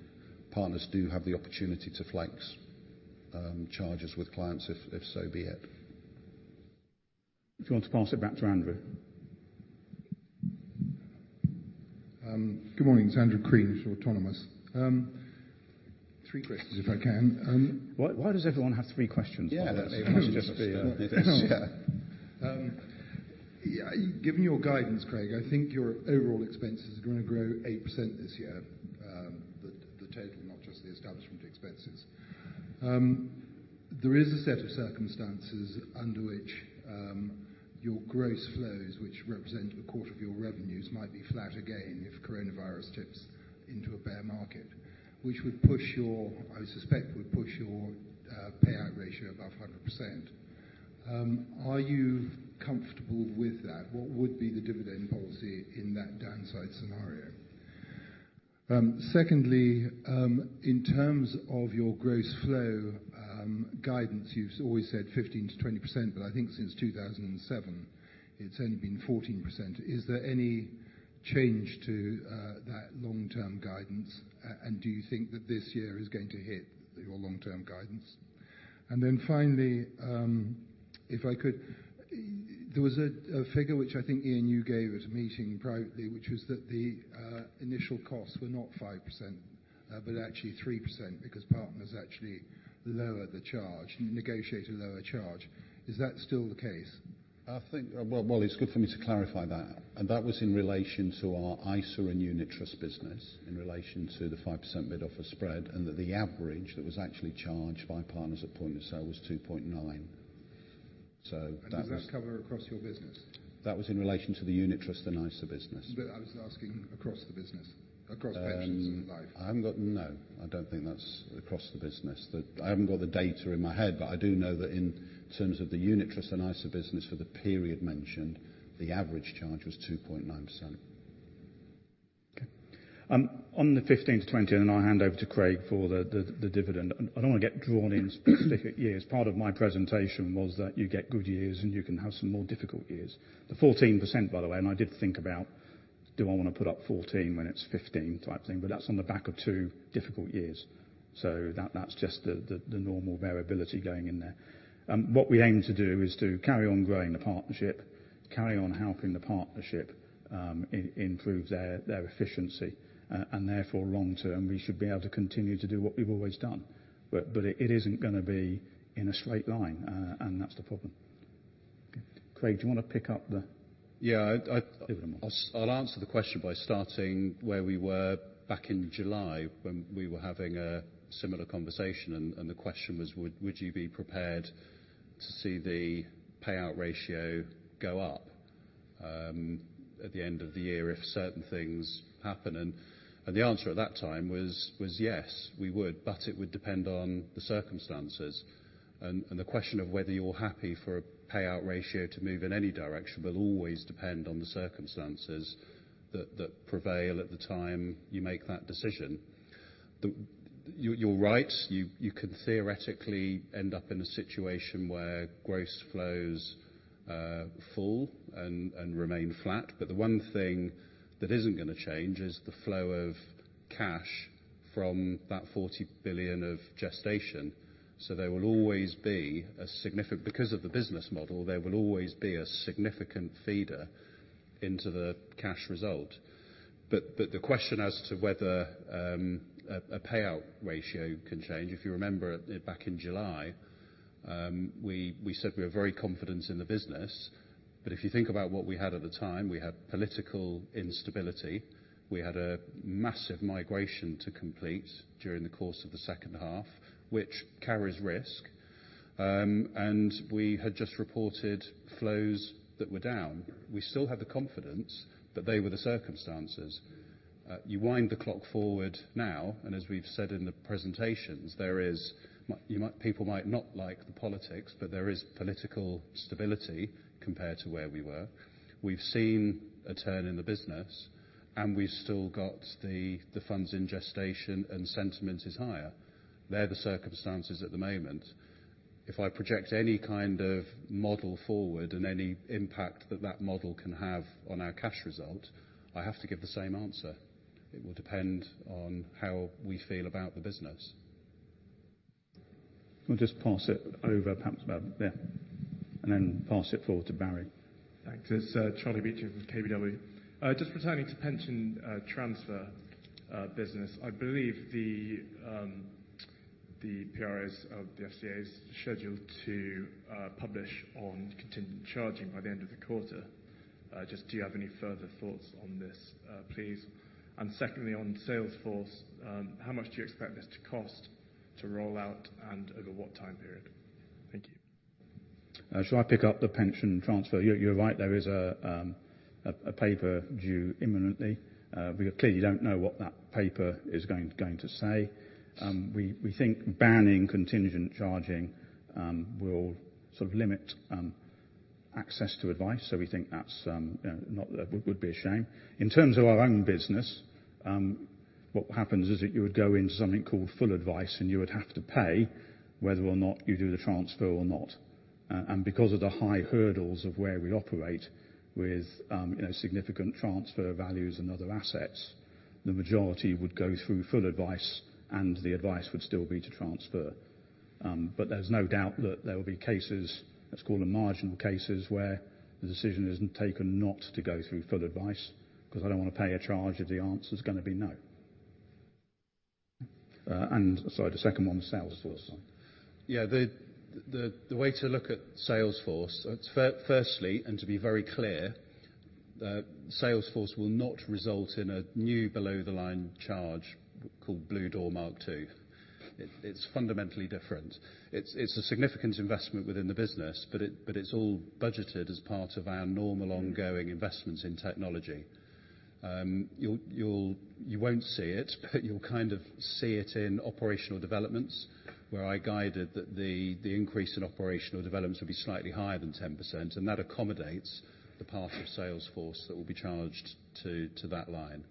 partners do have the opportunity to flex charges with clients if so be it. Do you want to pass it back to Andrew? Good morning. It's Andrew Crean from Autonomous. Three questions if I can. Why does everyone have three questions, by the way? Yeah, it must just be- It is. Yeah. Given your guidance, Craig, I think your overall expenses are going to grow 8% this year. The total, not just the establishment expenses. There is a set of circumstances under which your gross flows, which represent a quarter of your revenues, might be flat again if coronavirus tips into a bear market. Which I suspect would push your payout ratio above 100%. Are you comfortable with that? What would be the dividend policy in that downside scenario? Secondly, in terms of your gross flow guidance, you've always said 15%-20%, but I think since 2007 it's only been 14%. Is there any change to that long-term guidance? Do you think that this year is going to hit your long-term guidance? And then finally, if I could, there was a figure which I think, Ian, you gave at a meeting privately, which was that the initial costs were not 5%, but actually 3%, because partners actually lower the charge, negotiate a lower charge. Is that still the case? Well, it's good for me to clarify that. That was in relation to our ISA and unit trust business, in relation to the 5% bid-offer spread, and that the average that was actually charged by partners at point of sale was 2.9%.So that was- Does that cover across your business? That was in relation to the unit trust, the ISA business. I was asking across the business. Across pensions and life. No, I don't think that's across the business. I haven't got the data in my head. I do know that in terms of the unit trust and ISA business for the period mentioned, the average charge was 2.9%. Okay. On the 15%-20%, I'll hand over to Craig for the dividend. I don't want to get drawn in specific years. Part of my presentation was that you get good years, and you can have some more difficult years. The 14%, by the way, I did think about, do I want to put up 14% when it's 15% type thing? That's on the back of two difficult years, that's just the normal variability going in there. What we aim to do is to carry on growing the partnership, carry on helping the partnership, improve their efficiency. And Therefore, long term, we should be able to continue to do what we've always done. It isn't going to be in a straight line, and that's the problem. Craig, do you want to pick up? Yeah. Dividend I'll answer the question by starting where we were back in July when we were having a similar conversation. The question was, would you be prepared to see the payout ratio go up, at the end of the year if certain things happen? The answer at that time was, yes, we would, but it would depend on the circumstances. The question of whether you're happy for a payout ratio to move in any direction will always depend on the circumstances that prevail at the time you make that decision. You're right. You could theoretically end up in a situation where gross flows fall and remain flat. The one thing that isn't going to change is the flow of cash from that 40 billion of gestation. Because of the business model, there will always be a significant feeder into the cash result. But the question as to whether a payout ratio can change, if you remember back in July, we said we are very confident in the business. If you think about what we had at the time, we had political instability. We had a massive migration to complete during the course of the second half, which carries risk. We had just reported flows that were down. We still had the confidence that they were the circumstances. You wind the clock forward now. As we've said in the presentations, people might not like the politics, but there is political stability compared to where we were. We've seen a turn in the business. We've still got the funds in gestation, and sentiment is higher. They're the circumstances at the moment. If I project any kind of model forward and any impact that that model can have on our cash result, I have to give the same answer. It will depend on how we feel about the business. I'll just pass it over, perhaps about there, and then pass it forward to Barrie. Thanks. It's Charlie Beeching with KBW. Just returning to pension transfer business, I believe the PRA's or the FCA is scheduled to publish on contingent charging by the end of the quarter. Just do you have any further thoughts on this, please? Secondly, on Salesforce, how much do you expect this to cost to roll out and over what time period? Thank you. Shall I pick up the pension transfer? You're right. There is a paper due imminently. We clearly don't know what that paper is going to say. We think banning contingent charging will sort of limit access to advice. We think that would be a shame. In terms of our own business, what happens is that you would go into something called full advice, and you would have to pay whether or not you do the transfer or not. And because of the high hurdles of where we operate with significant transfer values and other assets, the majority would go through full advice, and the advice would still be to transfer. But there's no doubt that there will be cases, let's call them marginal cases, where the decision is taken not to go through full advice because I don't want to pay a charge if the answer is going to be no. Sorry, the second one was Salesforce. The way to look at Salesforce, firstly, and to be very clear, Salesforce will not result in a new below-the-line charge called Bluedoor Mark 2. It's fundamentally different. It's a significant investment within the business, but it's all budgeted as part of our normal ongoing investments in technology. You won't see it, but you'll kind of see it in operational developments, where I guided that the increase in operational developments will be slightly higher than 10%, and that accommodates the path of Salesforce that will be charged to that line.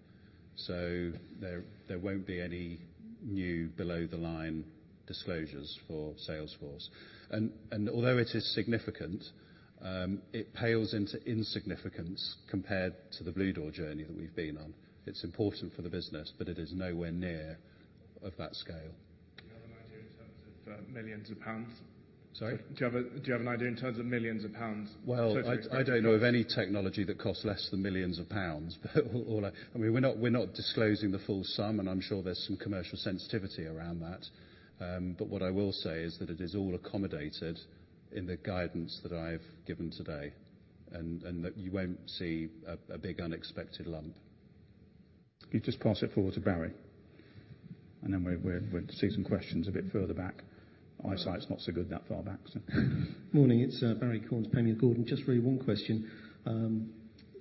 There won't be any new below-the-line disclosures for Salesforce. And although it is significant, it pales into insignificance compared to the Bluedoor journey that we've been on. It's important for the business, but it is nowhere near of that scale. Do you have an idea in terms of millions of pounds? Sorry? Do you have an idea in terms of millions of pounds? Well, I don't know of any technology that costs less than millions of pounds. We're not disclosing the full sum, I'm sure there's some commercial sensitivity around that. What I will say is that it is all accommodated in the guidance that I've given today, and that you won't see a big unexpected lump. Can you just pass it forward to Barrie? We'd see some questions a bit further back. Eyesight's not so good that far back. Morning, it's Barrie Cornes, Panmure Gordon. Just really one question.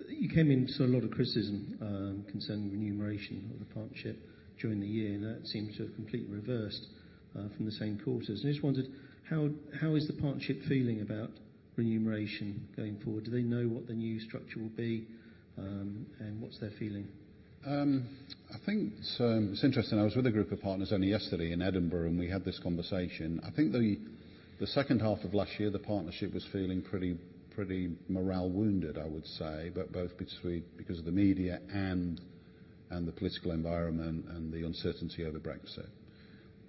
You came into a lot of criticism concerning remuneration of the partnership during the year, that seems to have completely reversed from the same quarters. I just wondered, how is the partnership feeling about remuneration going forward? Do they know what the new structure will be, and what's their feeling? I think it's interesting. I was with a group of partners only yesterday in Edinburgh, and we had this conversation. I think the second half of last year, the partnership was feeling pretty morale wounded, I would say, but both because of the media and the political environment and the uncertainty over Brexit.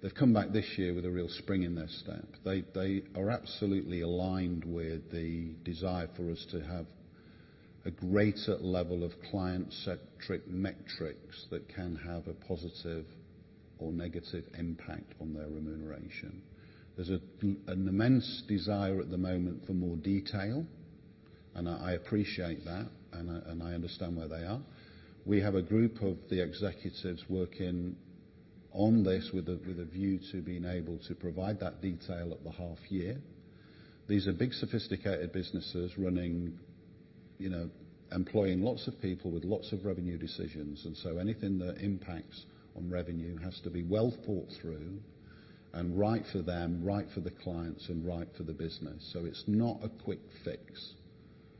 They've come back this year with a real spring in their step. They are absolutely aligned with the desire for us to have a greater level of client-centric metrics that can have a positive or negative impact on their remuneration. There's an immense desire at the moment for more detail, and I appreciate that, and I understand where they are. We have a group of the executives working on this with a view to being able to provide that detail at the half year. These are big, sophisticated businesses employing lots of people with lots of revenue decisions. Anything that impacts on revenue has to be well thought through and right for them, right for the clients, and right for the business. It's not a quick fix.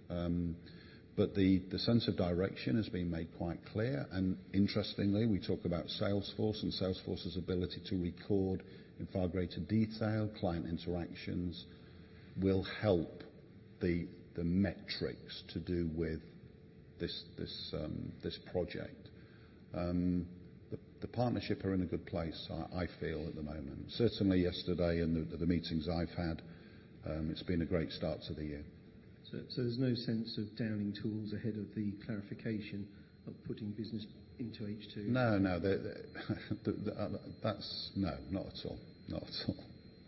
The sense of direction has been made quite clear. Interestingly, we talk about Salesforce and Salesforce's ability to record in far greater detail client interactions will help the metrics to do with this project. The partnership are in a good place, I feel, at the moment. Certainly yesterday in the meetings I've had, it's been a great start to the year. There's no sense of downing tools ahead of the clarification of putting business into H2? No. No, not at all.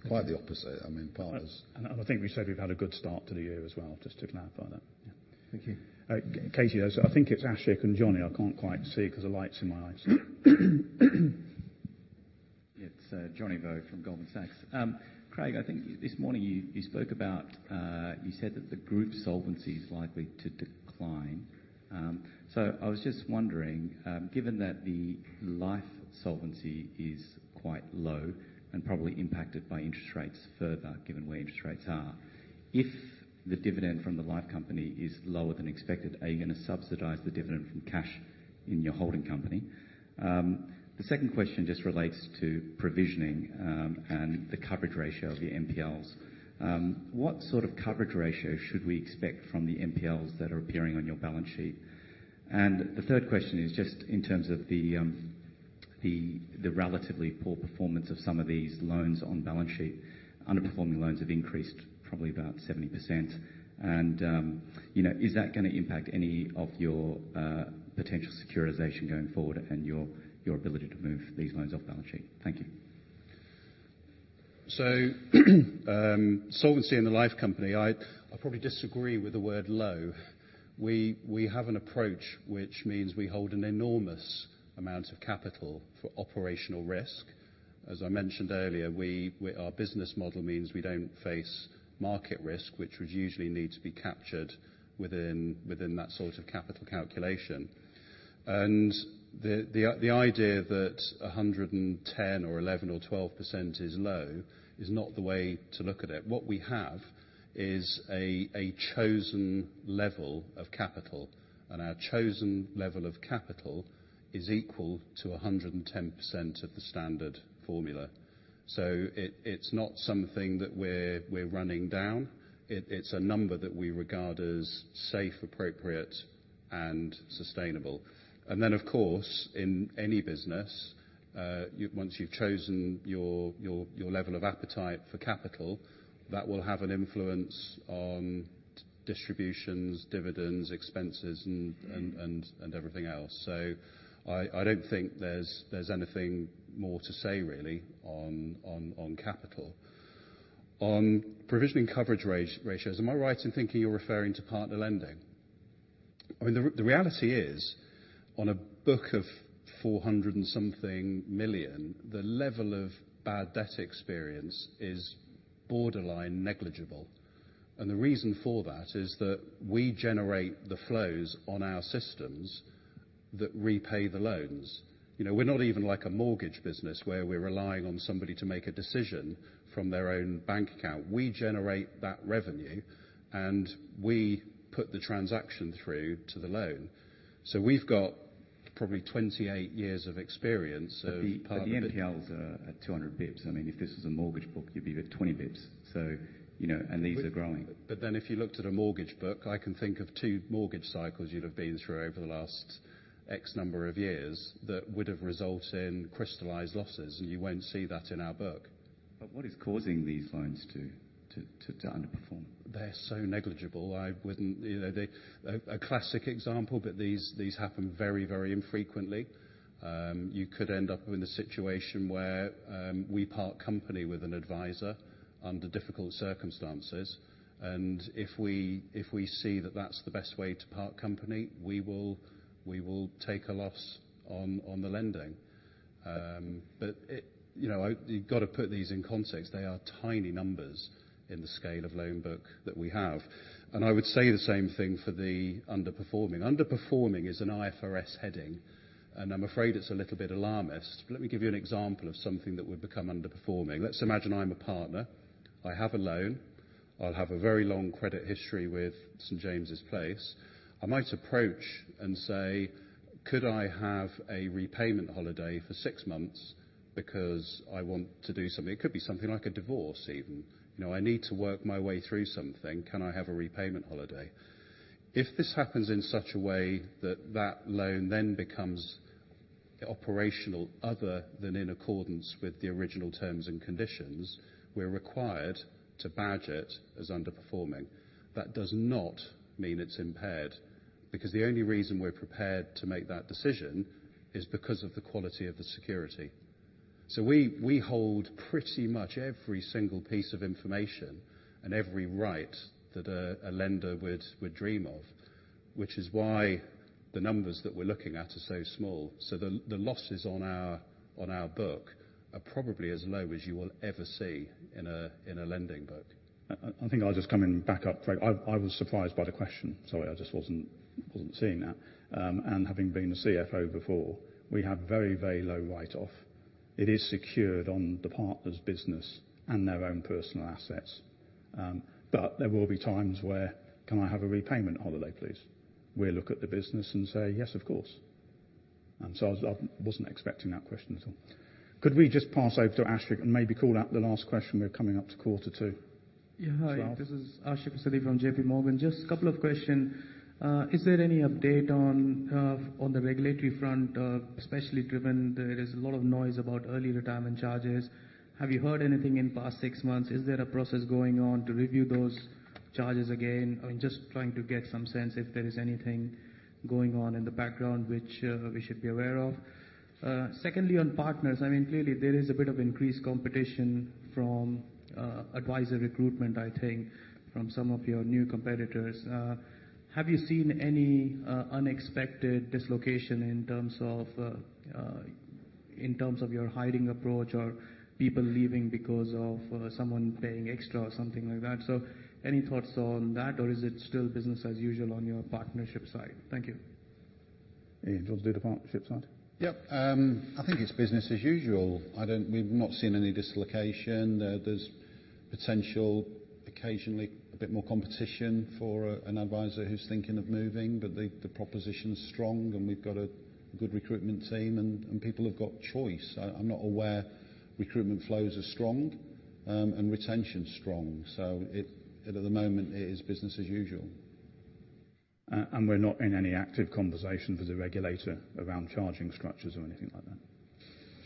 Quite the opposite. I mean. I think we said we've had a good start to the year as well, just to clarify that. Yeah. Thank you. Katie, I think it's Ashik and Johnny. I can't quite see because the light's in my eyes. It's Johnny Vo from Goldman Sachs. Craig, I think this morning you said that the group solvency is likely to decline. I was just wondering, given that the life solvency is quite low and probably impacted by interest rates further, given where interest rates are, if the dividend from the life company is lower than expected, are you going to subsidize the dividend from cash in your holding company? The second question just relates to provisioning, and the coverage ratio of the NPLs. What sort of coverage ratio should we expect from the NPLs that are appearing on your balance sheet? The third question is just in terms of the relatively poor performance of some of these loans on balance sheet. Underperforming loans have increased probably about 70%. Is that going to impact any of your potential securitization going forward and your ability to move these loans off balance sheet? Thank you. Solvency in the life company, I probably disagree with the word low. We have an approach which means we hold an enormous amount of capital for operational risk. As I mentioned earlier, our business model means we don't face market risk, which would usually need to be captured within that sort of capital calculation. The idea that 110% or 111% or 112% is low is not the way to look at it. What we have is a chosen level of capital, and our chosen level of capital is equal to 110% of the standard formula. It's not something that we're running down. It's a number that we regard as safe, appropriate, and sustainable. Then, of course, in any business, once you've chosen your level of appetite for capital, that will have an influence on distributions, dividends, expenses, and everything else. I don't think there's anything more to say, really, on capital. On provisioning coverage ratios, am I right in thinking you're referring to partner lending? I mean, the reality is, on a book of 400 million and something, the level of bad debt experience is borderline negligible. The reason for that is that we generate the flows on our systems that repay the loans. We're not even like a mortgage business where we're relying on somebody to make a decision from their own bank account. We generate that revenue, and we put the transaction through to the loan. We've got probably 28 years of experience. The NPLs are at 200 basis points. I mean, if this was a mortgage book, you'd be at 20 basis points. These are growing. If you looked at a mortgage book, I can think of two mortgage cycles you'd have been through over the last X number of years that would have resulted in crystallized losses, and you won't see that in our book. What is causing these loans to underperform? They're so negligible. A classic example. These happen very, very infrequently. You could end up in a situation where we part company with an advisor under difficult circumstances. If we see that that's the best way to part company, we will take a loss on the lending. You've got to put these in context. They are tiny numbers in the scale of loan book that we have. I would say the same thing for the underperforming. Underperforming is an IFRS heading, and I'm afraid it's a little bit alarmist. Let me give you an example of something that would become underperforming. Let's imagine I'm a partner. I have a loan. I'll have a very long credit history with St. James's Place. I might approach and say, "Could I have a repayment holiday for six months because I want to do something?" It could be something like a divorce even. I need to work my way through something. Can I have a repayment holiday? If this happens in such a way that that loan then becomes operational other than in accordance with the original terms and conditions, we're required to badge it as underperforming. That does not mean it's impaired, because the only reason we're prepared to make that decision is because of the quality of the security. We hold pretty much every single piece of information and every right that a lender would dream of, which is why the numbers that we're looking at are so small. The losses on our book are probably as low as you will ever see in a lending book. I think I'll just come in and back up, Craig. I was surprised by the question. Sorry, I just wasn't seeing that. Having been a CFO before, we have very low write-off. It is secured on the partner's business and their own personal assets, but there will be times where, "Can I have a repayment holiday, please?" We'll look at the business and say, "Yes, of course." I wasn't expecting that question at all. Could we just pass over to Ashik and maybe call out the last question? We're coming up to quarter to 12:00. Hi. This is Ashik Musaddi from JPMorgan. Just a couple of question. Is there any update on the regulatory front, especially driven there is a lot of noise about early retirement charges? Have you heard anything in past six months? Is there a process going on to review those charges again? I'm just trying to get some sense if there is anything going on in the background which we should be aware of. On partners, clearly there is a bit of increased competition from advisor recruitment, I think, from some of your new competitors. Have you seen any unexpected dislocation in terms of your hiring approach or people leaving because of someone paying extra or something like that? Any thoughts on that, or is it still business as usual on your partnership side? Thank you. Ian, do you want to do the partnership side? Yep. I think it's business as usual. We've not seen any dislocation. There's potential, occasionally, a bit more competition for an advisor who's thinking of moving, but the proposition's strong, and we've got a good recruitment team, and people have got choice. I'm not aware. Recruitment flows are strong and retention's strong. At the moment, it is business as usual. We're not in any active conversation with the regulator around charging structures or anything like that.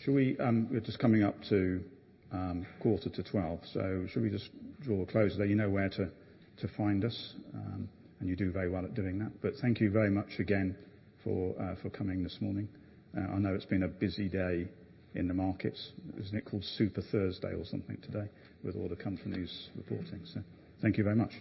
We're just coming up to quarter to 12:00, shall we just draw to a close there? You know where to find us, you do very well at doing that. But thank you very much again for coming this morning. I know it's been a busy day in the markets. Isn't it called Super Thursday or something today, with all the company news reporting? Thank you very much.